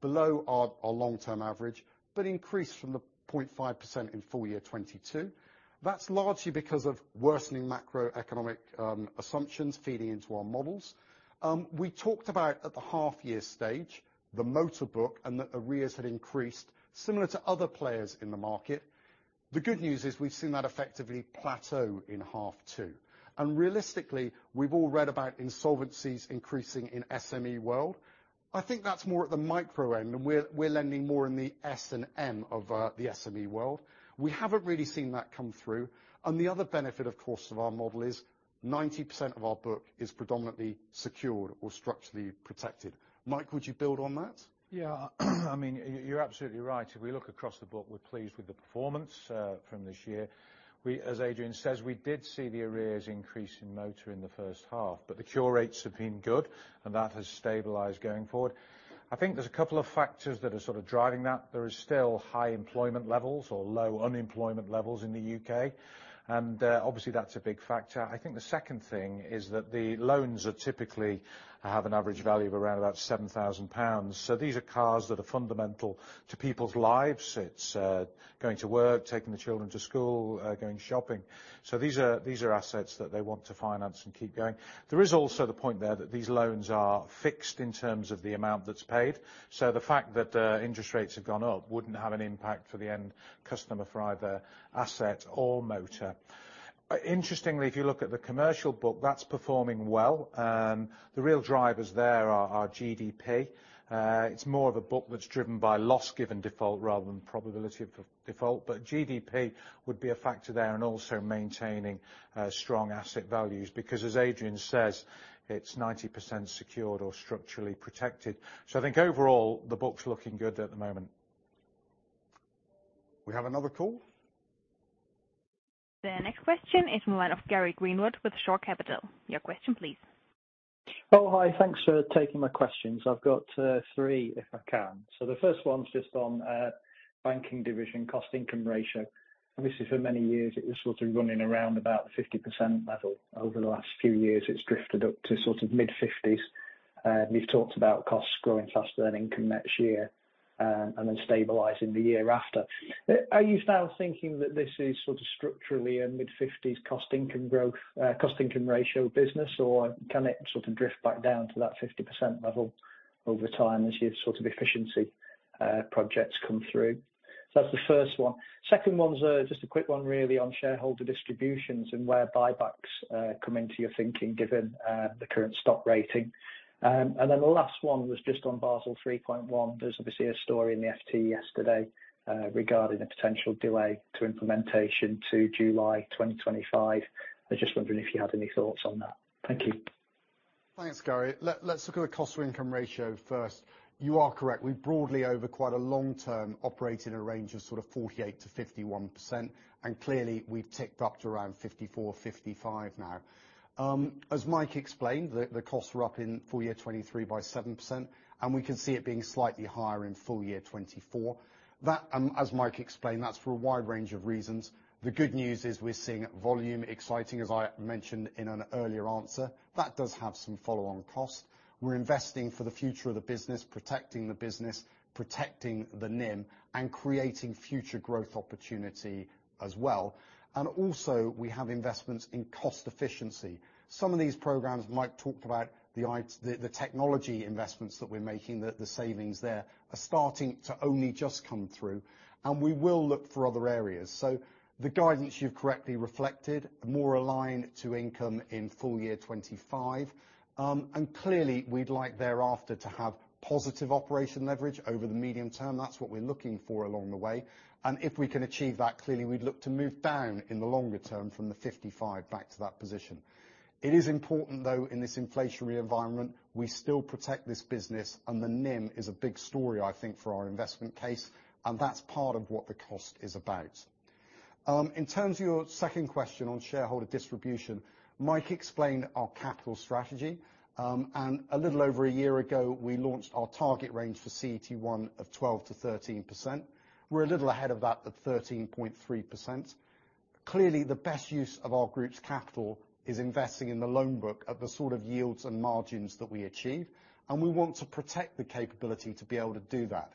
below our long-term average, but increased from the 0.5% in full year 2022. That's largely because of worsening macroeconomic assumptions feeding into our models. We talked about, at the half year stage, the motor book and that arrears had increased, similar to other players in the market. The good news is we've seen that effectively plateau in H2. Realistically, we've all read about insolvencies increasing in SME world. I think that's more at the micro end, and we're lending more in the S and M of the SME world. We haven't really seen that come through. And the other benefit, of course, of our model is 90% of our book is predominantly secured or structurally protected. Mike, would you build on that? Yeah, I mean, you're absolutely right. If we look across the book, we're pleased with the performance from this year. We, as Adrian says, we did see the arrears increase in motor in the first half, but the cure rates have been good, and that has stabilized going forward. I think there's a couple of factors that are sort of driving that. There is still high employment levels or low unemployment levels in the U.K., and obviously, that's a big factor. I think the second thing is that the loans are typically have an average value of around about 7,000 pounds. So these are cars that are fundamental to people's lives. It's going to work, taking the children to school, going shopping. So these are, these are assets that they want to finance and keep going. There is also the point there that these loans are fixed in terms of the amount that's paid, so the fact that interest rates have gone up wouldn't have an impact for the end customer for either asset or motor. Interestingly, if you look at the commercial book, that's performing well. The real drivers there are GDP. It's more of a book that's driven by loss given default rather than probability of default, but GDP would be a factor there, and also maintaining strong asset values, because as Adrian says, it's 90% secured or structurally protected. So I think overall, the book's looking good at the moment.... We have another call? The next question is from the line of Gary Greenwood with Shore Capital. Your question please. Oh, hi. Thanks for taking my questions. I've got three, if I can. So the first one's just on banking division cost income ratio. Obviously, for many years, it was sort of running around about 50% level. Over the last few years, it's drifted up to sort of mid-50s. You've talked about costs growing faster than income next year, and then stabilizing the year after. Are you now thinking that this is sort of structurally a mid-50s cost income growth, cost income ratio business, or can it sort of drift back down to that 50% level over time as your sort of efficiency projects come through? So that's the first one. Second one's just a quick one really on shareholder distributions and where buybacks come into your thinking, given the current stock rating. And then the last one was just on Basel 3.1. There was obviously a story in the FT yesterday, regarding a potential delay to implementation to July 2025. I was just wondering if you had any thoughts on that. Thank you. Thanks, Gary. Let's look at the cost to income ratio first. You are correct. We've broadly, over quite a long term, operated a range of sort of 48%-51%, and clearly, we've ticked up to around 54-55 now. As Mike explained, the costs were up in full year 2023 by 7%, and we can see it being slightly higher in full year 2024. That, as Mike explained, that's for a wide range of reasons. The good news is we're seeing volume exciting, as I mentioned in an earlier answer. That does have some follow-on cost. We're investing for the future of the business, protecting the business, protecting the NIM, and creating future growth opportunity as well. And also, we have investments in cost efficiency. Some of these programs, Mike talked about the the technology investments that we're making, the savings there are starting to only just come through, and we will look for other areas. So the guidance you've correctly reflected, more aligned to income in full year 2025. And clearly, we'd like thereafter to have positive operation leverage over the medium term. That's what we're looking for along the way, and if we can achieve that, clearly we'd look to move down in the longer term from the 55 back to that position. It is important, though, in this inflationary environment, we still protect this business, and the NIM is a big story, I think, for our investment case, and that's part of what the cost is about. In terms of your second question on shareholder distribution, Mike explained our capital strategy. And a little over a year ago, we launched our target range for CET1 of 12%-13%. We're a little ahead of that at 13.3%. Clearly, the best use of our group's capital is investing in the loan book at the sort of yields and margins that we achieved, and we want to protect the capability to be able to do that.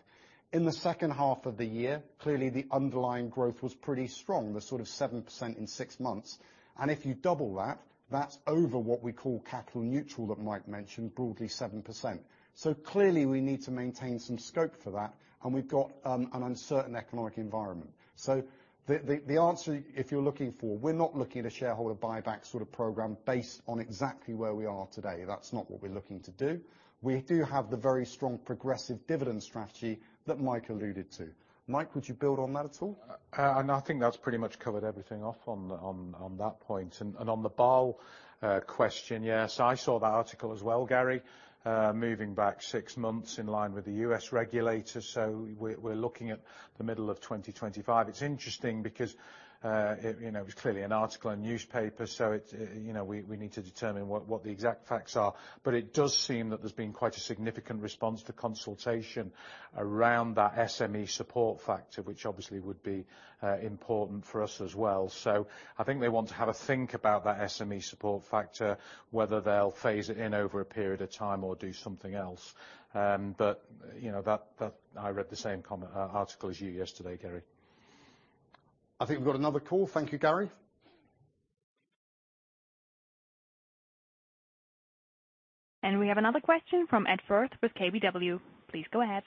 In the second half of the year, clearly, the underlying growth was pretty strong, the sort of 7% in six months, and if you double that, that's over what we call capital neutral, that Mike mentioned, broadly 7%. So clearly, we need to maintain some scope for that, and we've got an uncertain economic environment. So the answer if you're looking for, we're not looking at a shareholder buyback sort of program based on exactly where we are today. That's not what we're looking to do. We do have the very strong progressive dividend strategy that Mike alluded to. Mike, would you build on that at all? And I think that's pretty much covered everything off on that point. And on the Basel question, yes, I saw that article as well, Gary, moving back six months in line with the U.S. regulators, so we're looking at the middle of 2025. It's interesting because, you know, it was clearly an article and newspaper, so you know, we need to determine what the exact facts are. But it does seem that there's been quite a significant response to consultation around that SME support factor, which obviously would be important for us as well. So I think they want to have a think about that SME support factor, whether they'll phase it in over a period of time or do something else. But, you know, that I read the same comment article as you yesterday, Gary. I think we've got another call. Thank you, Gary. We have another question from Edward with KBW. Please go ahead.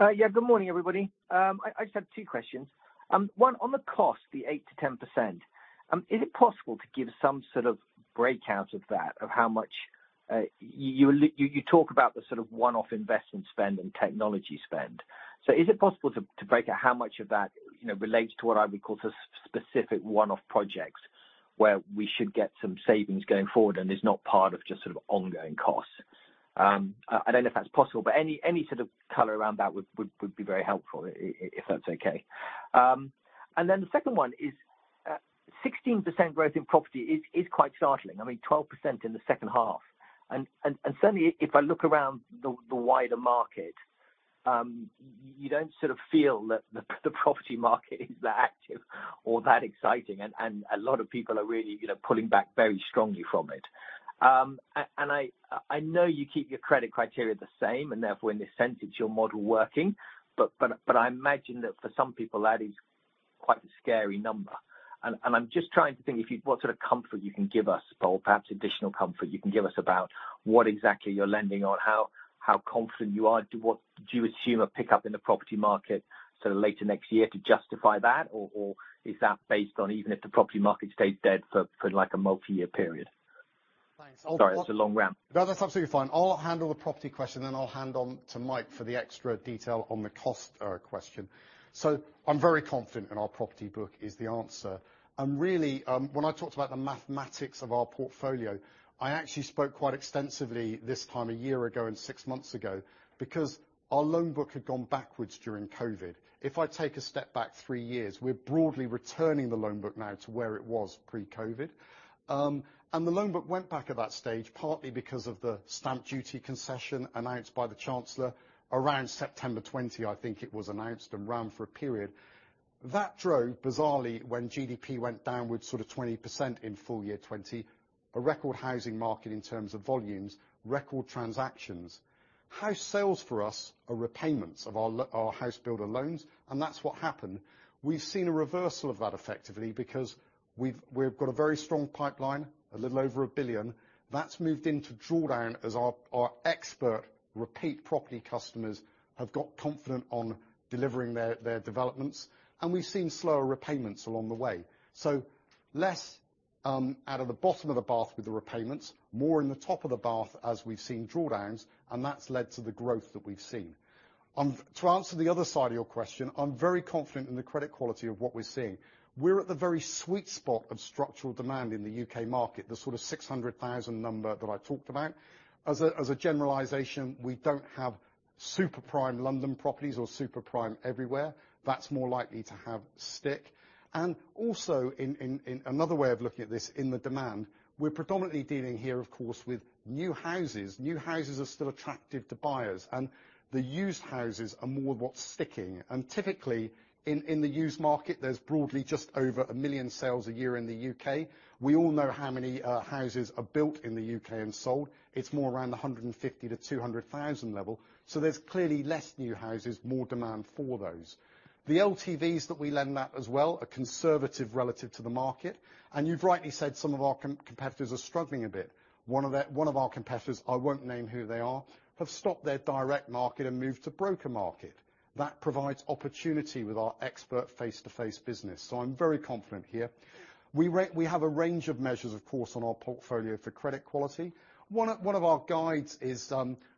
Yeah, good morning, everybody. I just have two questions. One, on the cost, the 8%-10%, is it possible to give some sort of breakout of that, of how much... You talk about the sort of one-off investment spend and technology spend. So is it possible to break out how much of that, you know, relates to what I would call specific one-off projects, where we should get some savings going forward and is not part of just sort of ongoing costs? I don't know if that's possible, but any sort of color around that would be very helpful if that's okay. And then the second one is, 16% growth in property is quite startling. I mean, 12% in the second half. Certainly, if I look around the wider market, you don't sort of feel that the property market is that active or that exciting, and a lot of people are really, you know, pulling back very strongly from it. I know you keep your credit criteria the same, and therefore, in this sense, it's your model working, but I imagine that for some people, that is quite a scary number. I'm just trying to think if you've what sort of comfort you can give us, or perhaps additional comfort you can give us about what exactly you're lending on, how confident you are? Do you assume a pickup in the property market sort of later next year to justify that, or is that based on even if the property market stays dead for like a multi-year period?... Sorry, it's a long round. No, that's absolutely fine. I'll handle the property question, then I'll hand on to Mike for the extra detail on the cost, question. So I'm very confident in our property book is the answer. And really, when I talked about the mathematics of our portfolio, I actually spoke quite extensively this time a year ago and six months ago, because our loan book had gone backwards during COVID. If I take a step back three years, we're broadly returning the loan book now to where it was pre-COVID. And the loan book went back at that stage, partly because of the stamp duty concession announced by the Chancellor around September 2020, I think it was announced, and ran for a period. That drove, bizarrely, when GDP went downwards sort of 20% in full year 2020, a record housing market in terms of volumes, record transactions. House sales for us are repayments of our house builder loans, and that's what happened. We've seen a reversal of that effectively, because we've, we've got a very strong pipeline, a little over 1 billion, that's moved into drawdown as our, our expert repeat property customers have got confident on delivering their, their developments, and we've seen slower repayments along the way. So less out of the bottom of the bath with the repayments, more in the top of the bath as we've seen drawdowns, and that's led to the growth that we've seen. To answer the other side of your question, I'm very confident in the credit quality of what we're seeing. We're at the very sweet spot of structural demand in the UK market, the sort of 600,000 number that I talked about. As a generalization, we don't have super prime London properties or super prime everywhere. That's more likely to have stick. And also, in another way of looking at this, in the demand, we're predominantly dealing here, of course, with new houses. New houses are still attractive to buyers, and the used houses are more what's sticking. And typically, in the used market, there's broadly just over 1 million sales a year in the U.K. We all know how many houses are built in the U.K. and sold. It's more around the 150-200 thousand level, so there's clearly less new houses, more demand for those. The LTVs that we lend out as well are conservative relative to the market, and you've rightly said some of our competitors are struggling a bit. One of our competitors, I won't name who they are, have stopped their direct market and moved to broker market. That provides opportunity with our expert face-to-face business, so I'm very confident here. We have a range of measures, of course, on our portfolio for credit quality. One of our guides is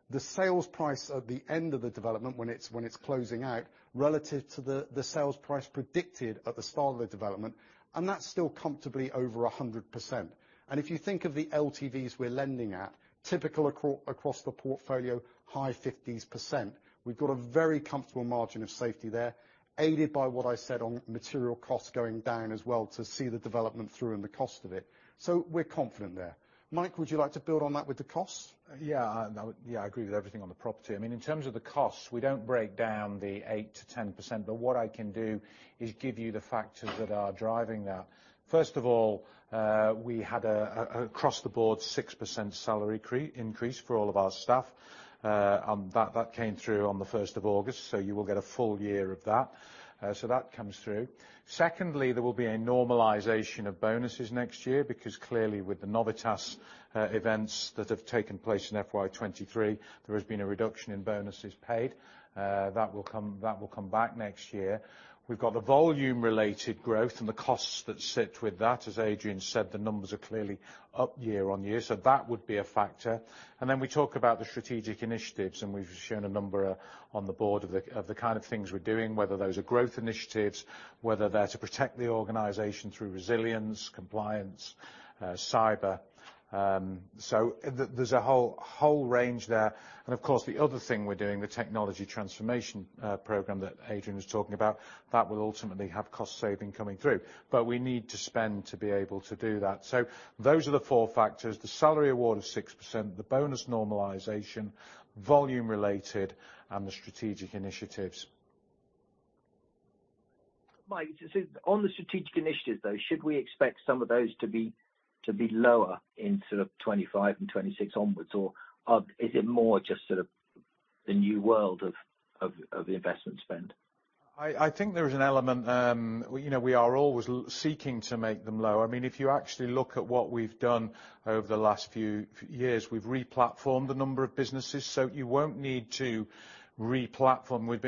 the sales price at the end of the development when it's closing out, relative to the sales price predicted at the start of the development, and that's still comfortably over 100%. And if you think of the LTVs we're lending at, typical across the portfolio, high fifties%. We've got a very comfortable margin of safety there, aided by what I said on material costs going down as well to see the development through and the cost of it. So we're confident there. Mike, would you like to build on that with the costs? Yeah, yeah, I agree with everything on the property. I mean, in terms of the costs, we don't break down the 8%-10%, but what I can do is give you the factors that are driving that. First of all, we had across the board 6% salary increase for all of our staff. And that came through on the first of August, so you will get a full year of that. So that comes through. Secondly, there will be a normalization of bonuses next year, because clearly with the Novitas events that have taken place in FY 2023, there has been a reduction in bonuses paid. That will come back next year. We've got the volume related growth and the costs that sit with that. As Adrian said, the numbers are clearly up year-over-year, so that would be a factor. And then we talk about the strategic initiatives, and we've shown a number on the board of the kind of things we're doing, whether those are growth initiatives, whether they're to protect the organization through resilience, compliance, cyber. So there, there's a whole range there. And of course, the other thing we're doing, the technology transformation program that Adrian was talking about, that will ultimately have cost saving coming through, but we need to spend to be able to do that. So those are the four factors, the salary award of 6%, the bonus normalization, volume related, and the strategic initiatives. Mike, so on the strategic initiatives, though, should we expect some of those to be lower in sort of 2025 and 2026 onwards, or is it more just sort of the new world of the investment spend? I think there is an element, you know, we are always seeking to make them lower. I mean, if you actually look at what we've done over the last few years, we've replatformed a number of businesses, so you won't need to replatform. We're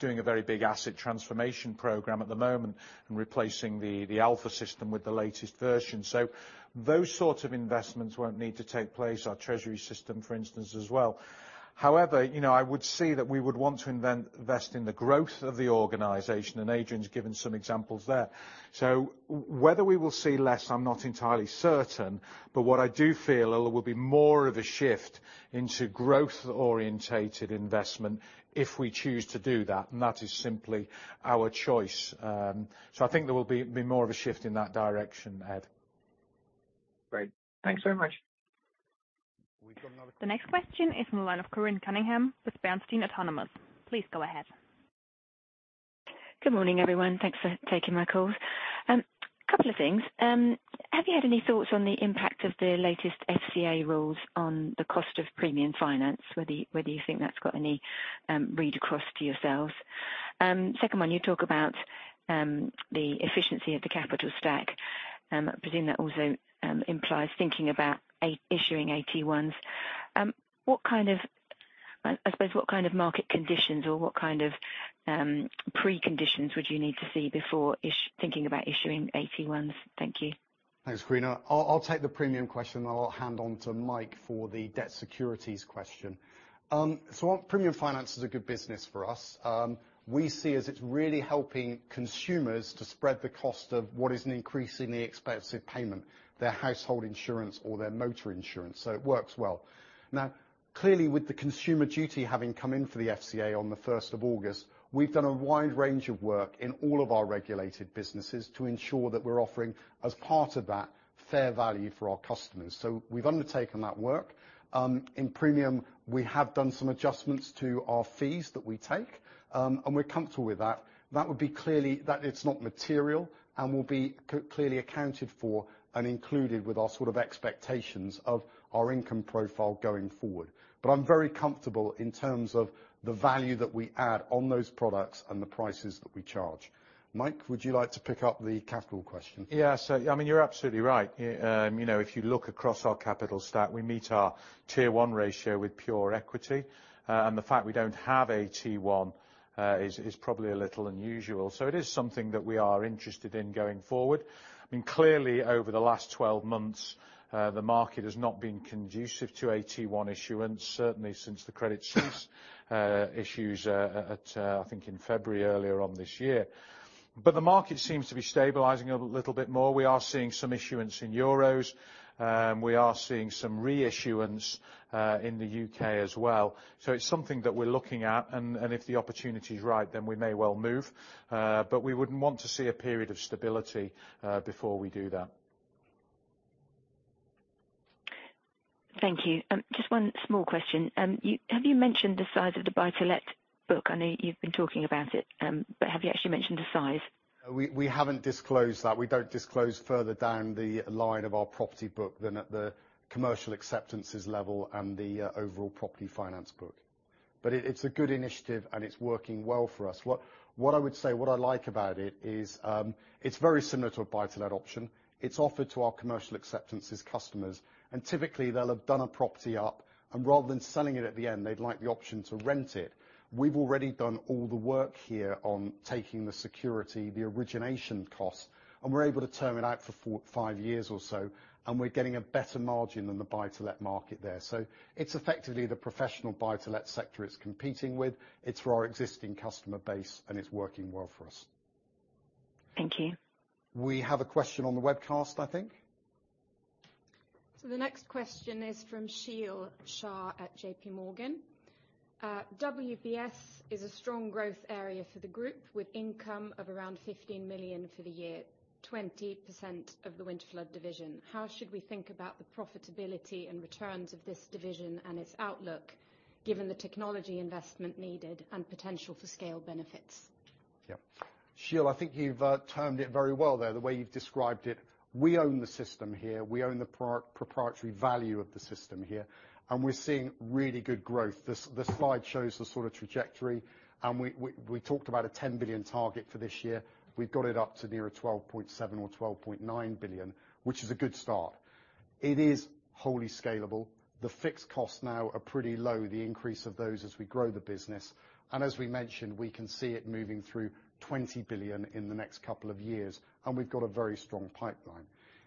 doing a very big asset transformation program at the moment and replacing the Alfa system with the latest version. So those sorts of investments won't need to take place, our treasury system, for instance, as well. However, you know, I would say that we would want to invest in the growth of the organization, and Adrian's given some examples there. So whether we will see less, I'm not entirely certain, but what I do feel there will be more of a shift into growth-orientated investment if we choose to do that, and that is simply our choice. So I think there will be more of a shift in that direction, Ed. Great. Thanks very much. The next question is from the line of Corinne Cunningham with Bernstein Autonomous. Please go ahead. Good morning, everyone. Thanks for taking my call. Couple of things. Have you had any thoughts on the impact of the latest FCA rules on the cost of premium finance, whether you think that's got any read across to yourselves? Second one, you talk about the efficiency of the capital stack. I presume that also implies thinking about issuing AT1s. What kind of... I suppose what kind of market conditions or what kind of preconditions would you need to see before thinking about issuing AT1s? Thank you. Thanks, Karina. I'll take the premium question, then I'll hand on to Mike for the debt securities question. So our premium finance is a good business for us. We see as it's really helping consumers to spread the cost of what is an increasingly expensive payment, their household insurance or their motor insurance, so it works well. Now, clearly, with the Consumer Duty having come in for the FCA on the first of August, we've done a wide range of work in all of our regulated businesses to ensure that we're offering, as part of that, fair value for our customers. So we've undertaken that work. In premium, we have done some adjustments to our fees that we take, and we're comfortable with that. That would be clearly, that it's not material and will be clearly accounted for and included with our sort of expectations of our income profile going forward. But I'm very comfortable in terms of the value that we add on those products and the prices that we charge. Mike, would you like to pick up the capital question? Yeah, so, I mean, you're absolutely right. You know, if you look across our capital stack, we meet our Tier 1 ratio with pure equity, and the fact we don't have AT1 is probably a little unusual. So it is something that we are interested in going forward. I mean, clearly, over the last 12 months, the market has not been conducive to AT1 issuance, certainly since the Credit Suisse issues at, I think, in February, earlier on this year. But the market seems to be stabilizing a little bit more. We are seeing some issuance in euros, we are seeing some reissuance in the U.K. as well. So it's something that we're looking at, and if the opportunity is right, then we may well move, but we would want to see a period of stability before we do that. Thank you. Just one small question. Have you mentioned the size of the buy-to-let book? I know you've been talking about it, but have you actually mentioned the size? We haven't disclosed that. We don't disclose further down the line of our property book than at the commercial acceptances level and the overall property finance book. But it's a good initiative, and it's working well for us. What I would say, what I like about it is, it's very similar to a buy-to-let option. It's offered to our commercial acceptances customers, and typically, they'll have done a property up, and rather than selling it at the end, they'd like the option to rent it. We've already done all the work here on taking the security, the origination cost, and we're able to term it out for four, five years or so, and we're getting a better margin than the buy-to-let market there. So it's effectively the professional buy-to-let sector it's competing with. It's for our existing customer base, and it's working well for us. Thank you. We have a question on the webcast, I think. The next question is from Sheel Shah at J.P. Morgan. WBS is a strong growth area for the group, with income of around 15 million for the year, 20% of the Winterflood division. How should we think about the profitability and returns of this division and its outlook, given the technology investment needed and potential for scale benefits? Yeah. Sheel, I think you've termed it very well there, the way you've described it. We own the system here. We own the proprietary value of the system here, and we're seeing really good growth. The slide shows the sort of trajectory, and we talked about a 10 billion target for this year. We've got it up to near a 12.7 billion or 12.9 billion, which is a good start. It is wholly scalable. The fixed costs now are pretty low, the increase of those as we grow the business, and as we mentioned, we can see it moving through 20 billion in the next couple of years, and we've got a very strong pipeline.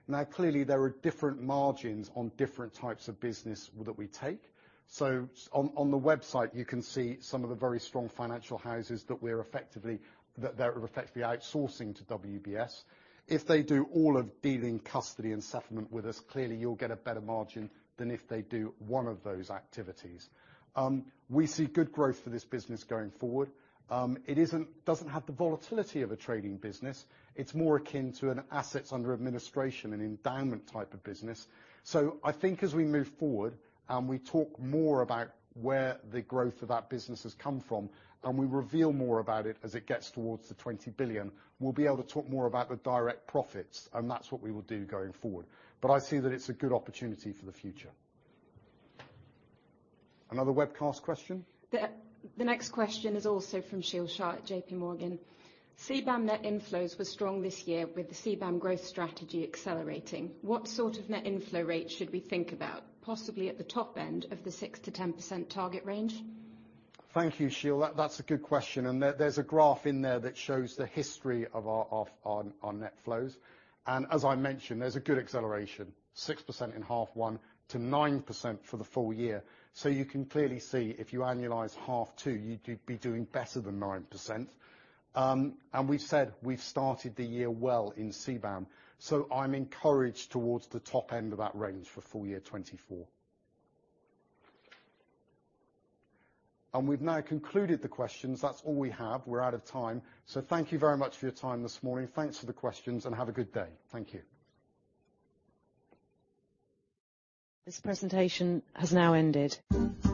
Now, clearly, there are different margins on different types of business that we take. So on the website, you can see some of the very strong financial houses that we're effectively, that they're effectively outsourcing to WBS. If they do all of dealing custody and settlement with us, clearly you'll get a better margin than if they do one of those activities. We see good growth for this business going forward. It isn't, doesn't have the volatility of a trading business. It's more akin to an assets under administration, an endowment type of business. So I think as we move forward and we talk more about where the growth of that business has come from, and we reveal more about it as it gets towards the 20 billion, we'll be able to talk more about the direct profits, and that's what we will do going forward. But I see that it's a good opportunity for the future. Another webcast question? The next question is also from Sheel Shah at J.P. Morgan. CBAM net inflows were strong this year with the CBAM growth strategy accelerating. What sort of net inflow rate should we think about, possibly at the top end of the 6%-10% target range? Thank you, Sheel. That's a good question, and there's a graph in there that shows the history of our net flows. And as I mentioned, there's a good acceleration, 6% in half 1 to 9% for the full year. So you can clearly see if you annualize half 2, you'd be doing better than 9%. And we've said we've started the year well in CBAM, so I'm encouraged towards the top end of that range for full year 2024. And we've now concluded the questions. That's all we have. We're out of time. So thank you very much for your time this morning. Thanks for the questions, and have a good day. Thank you. This presentation has now ended.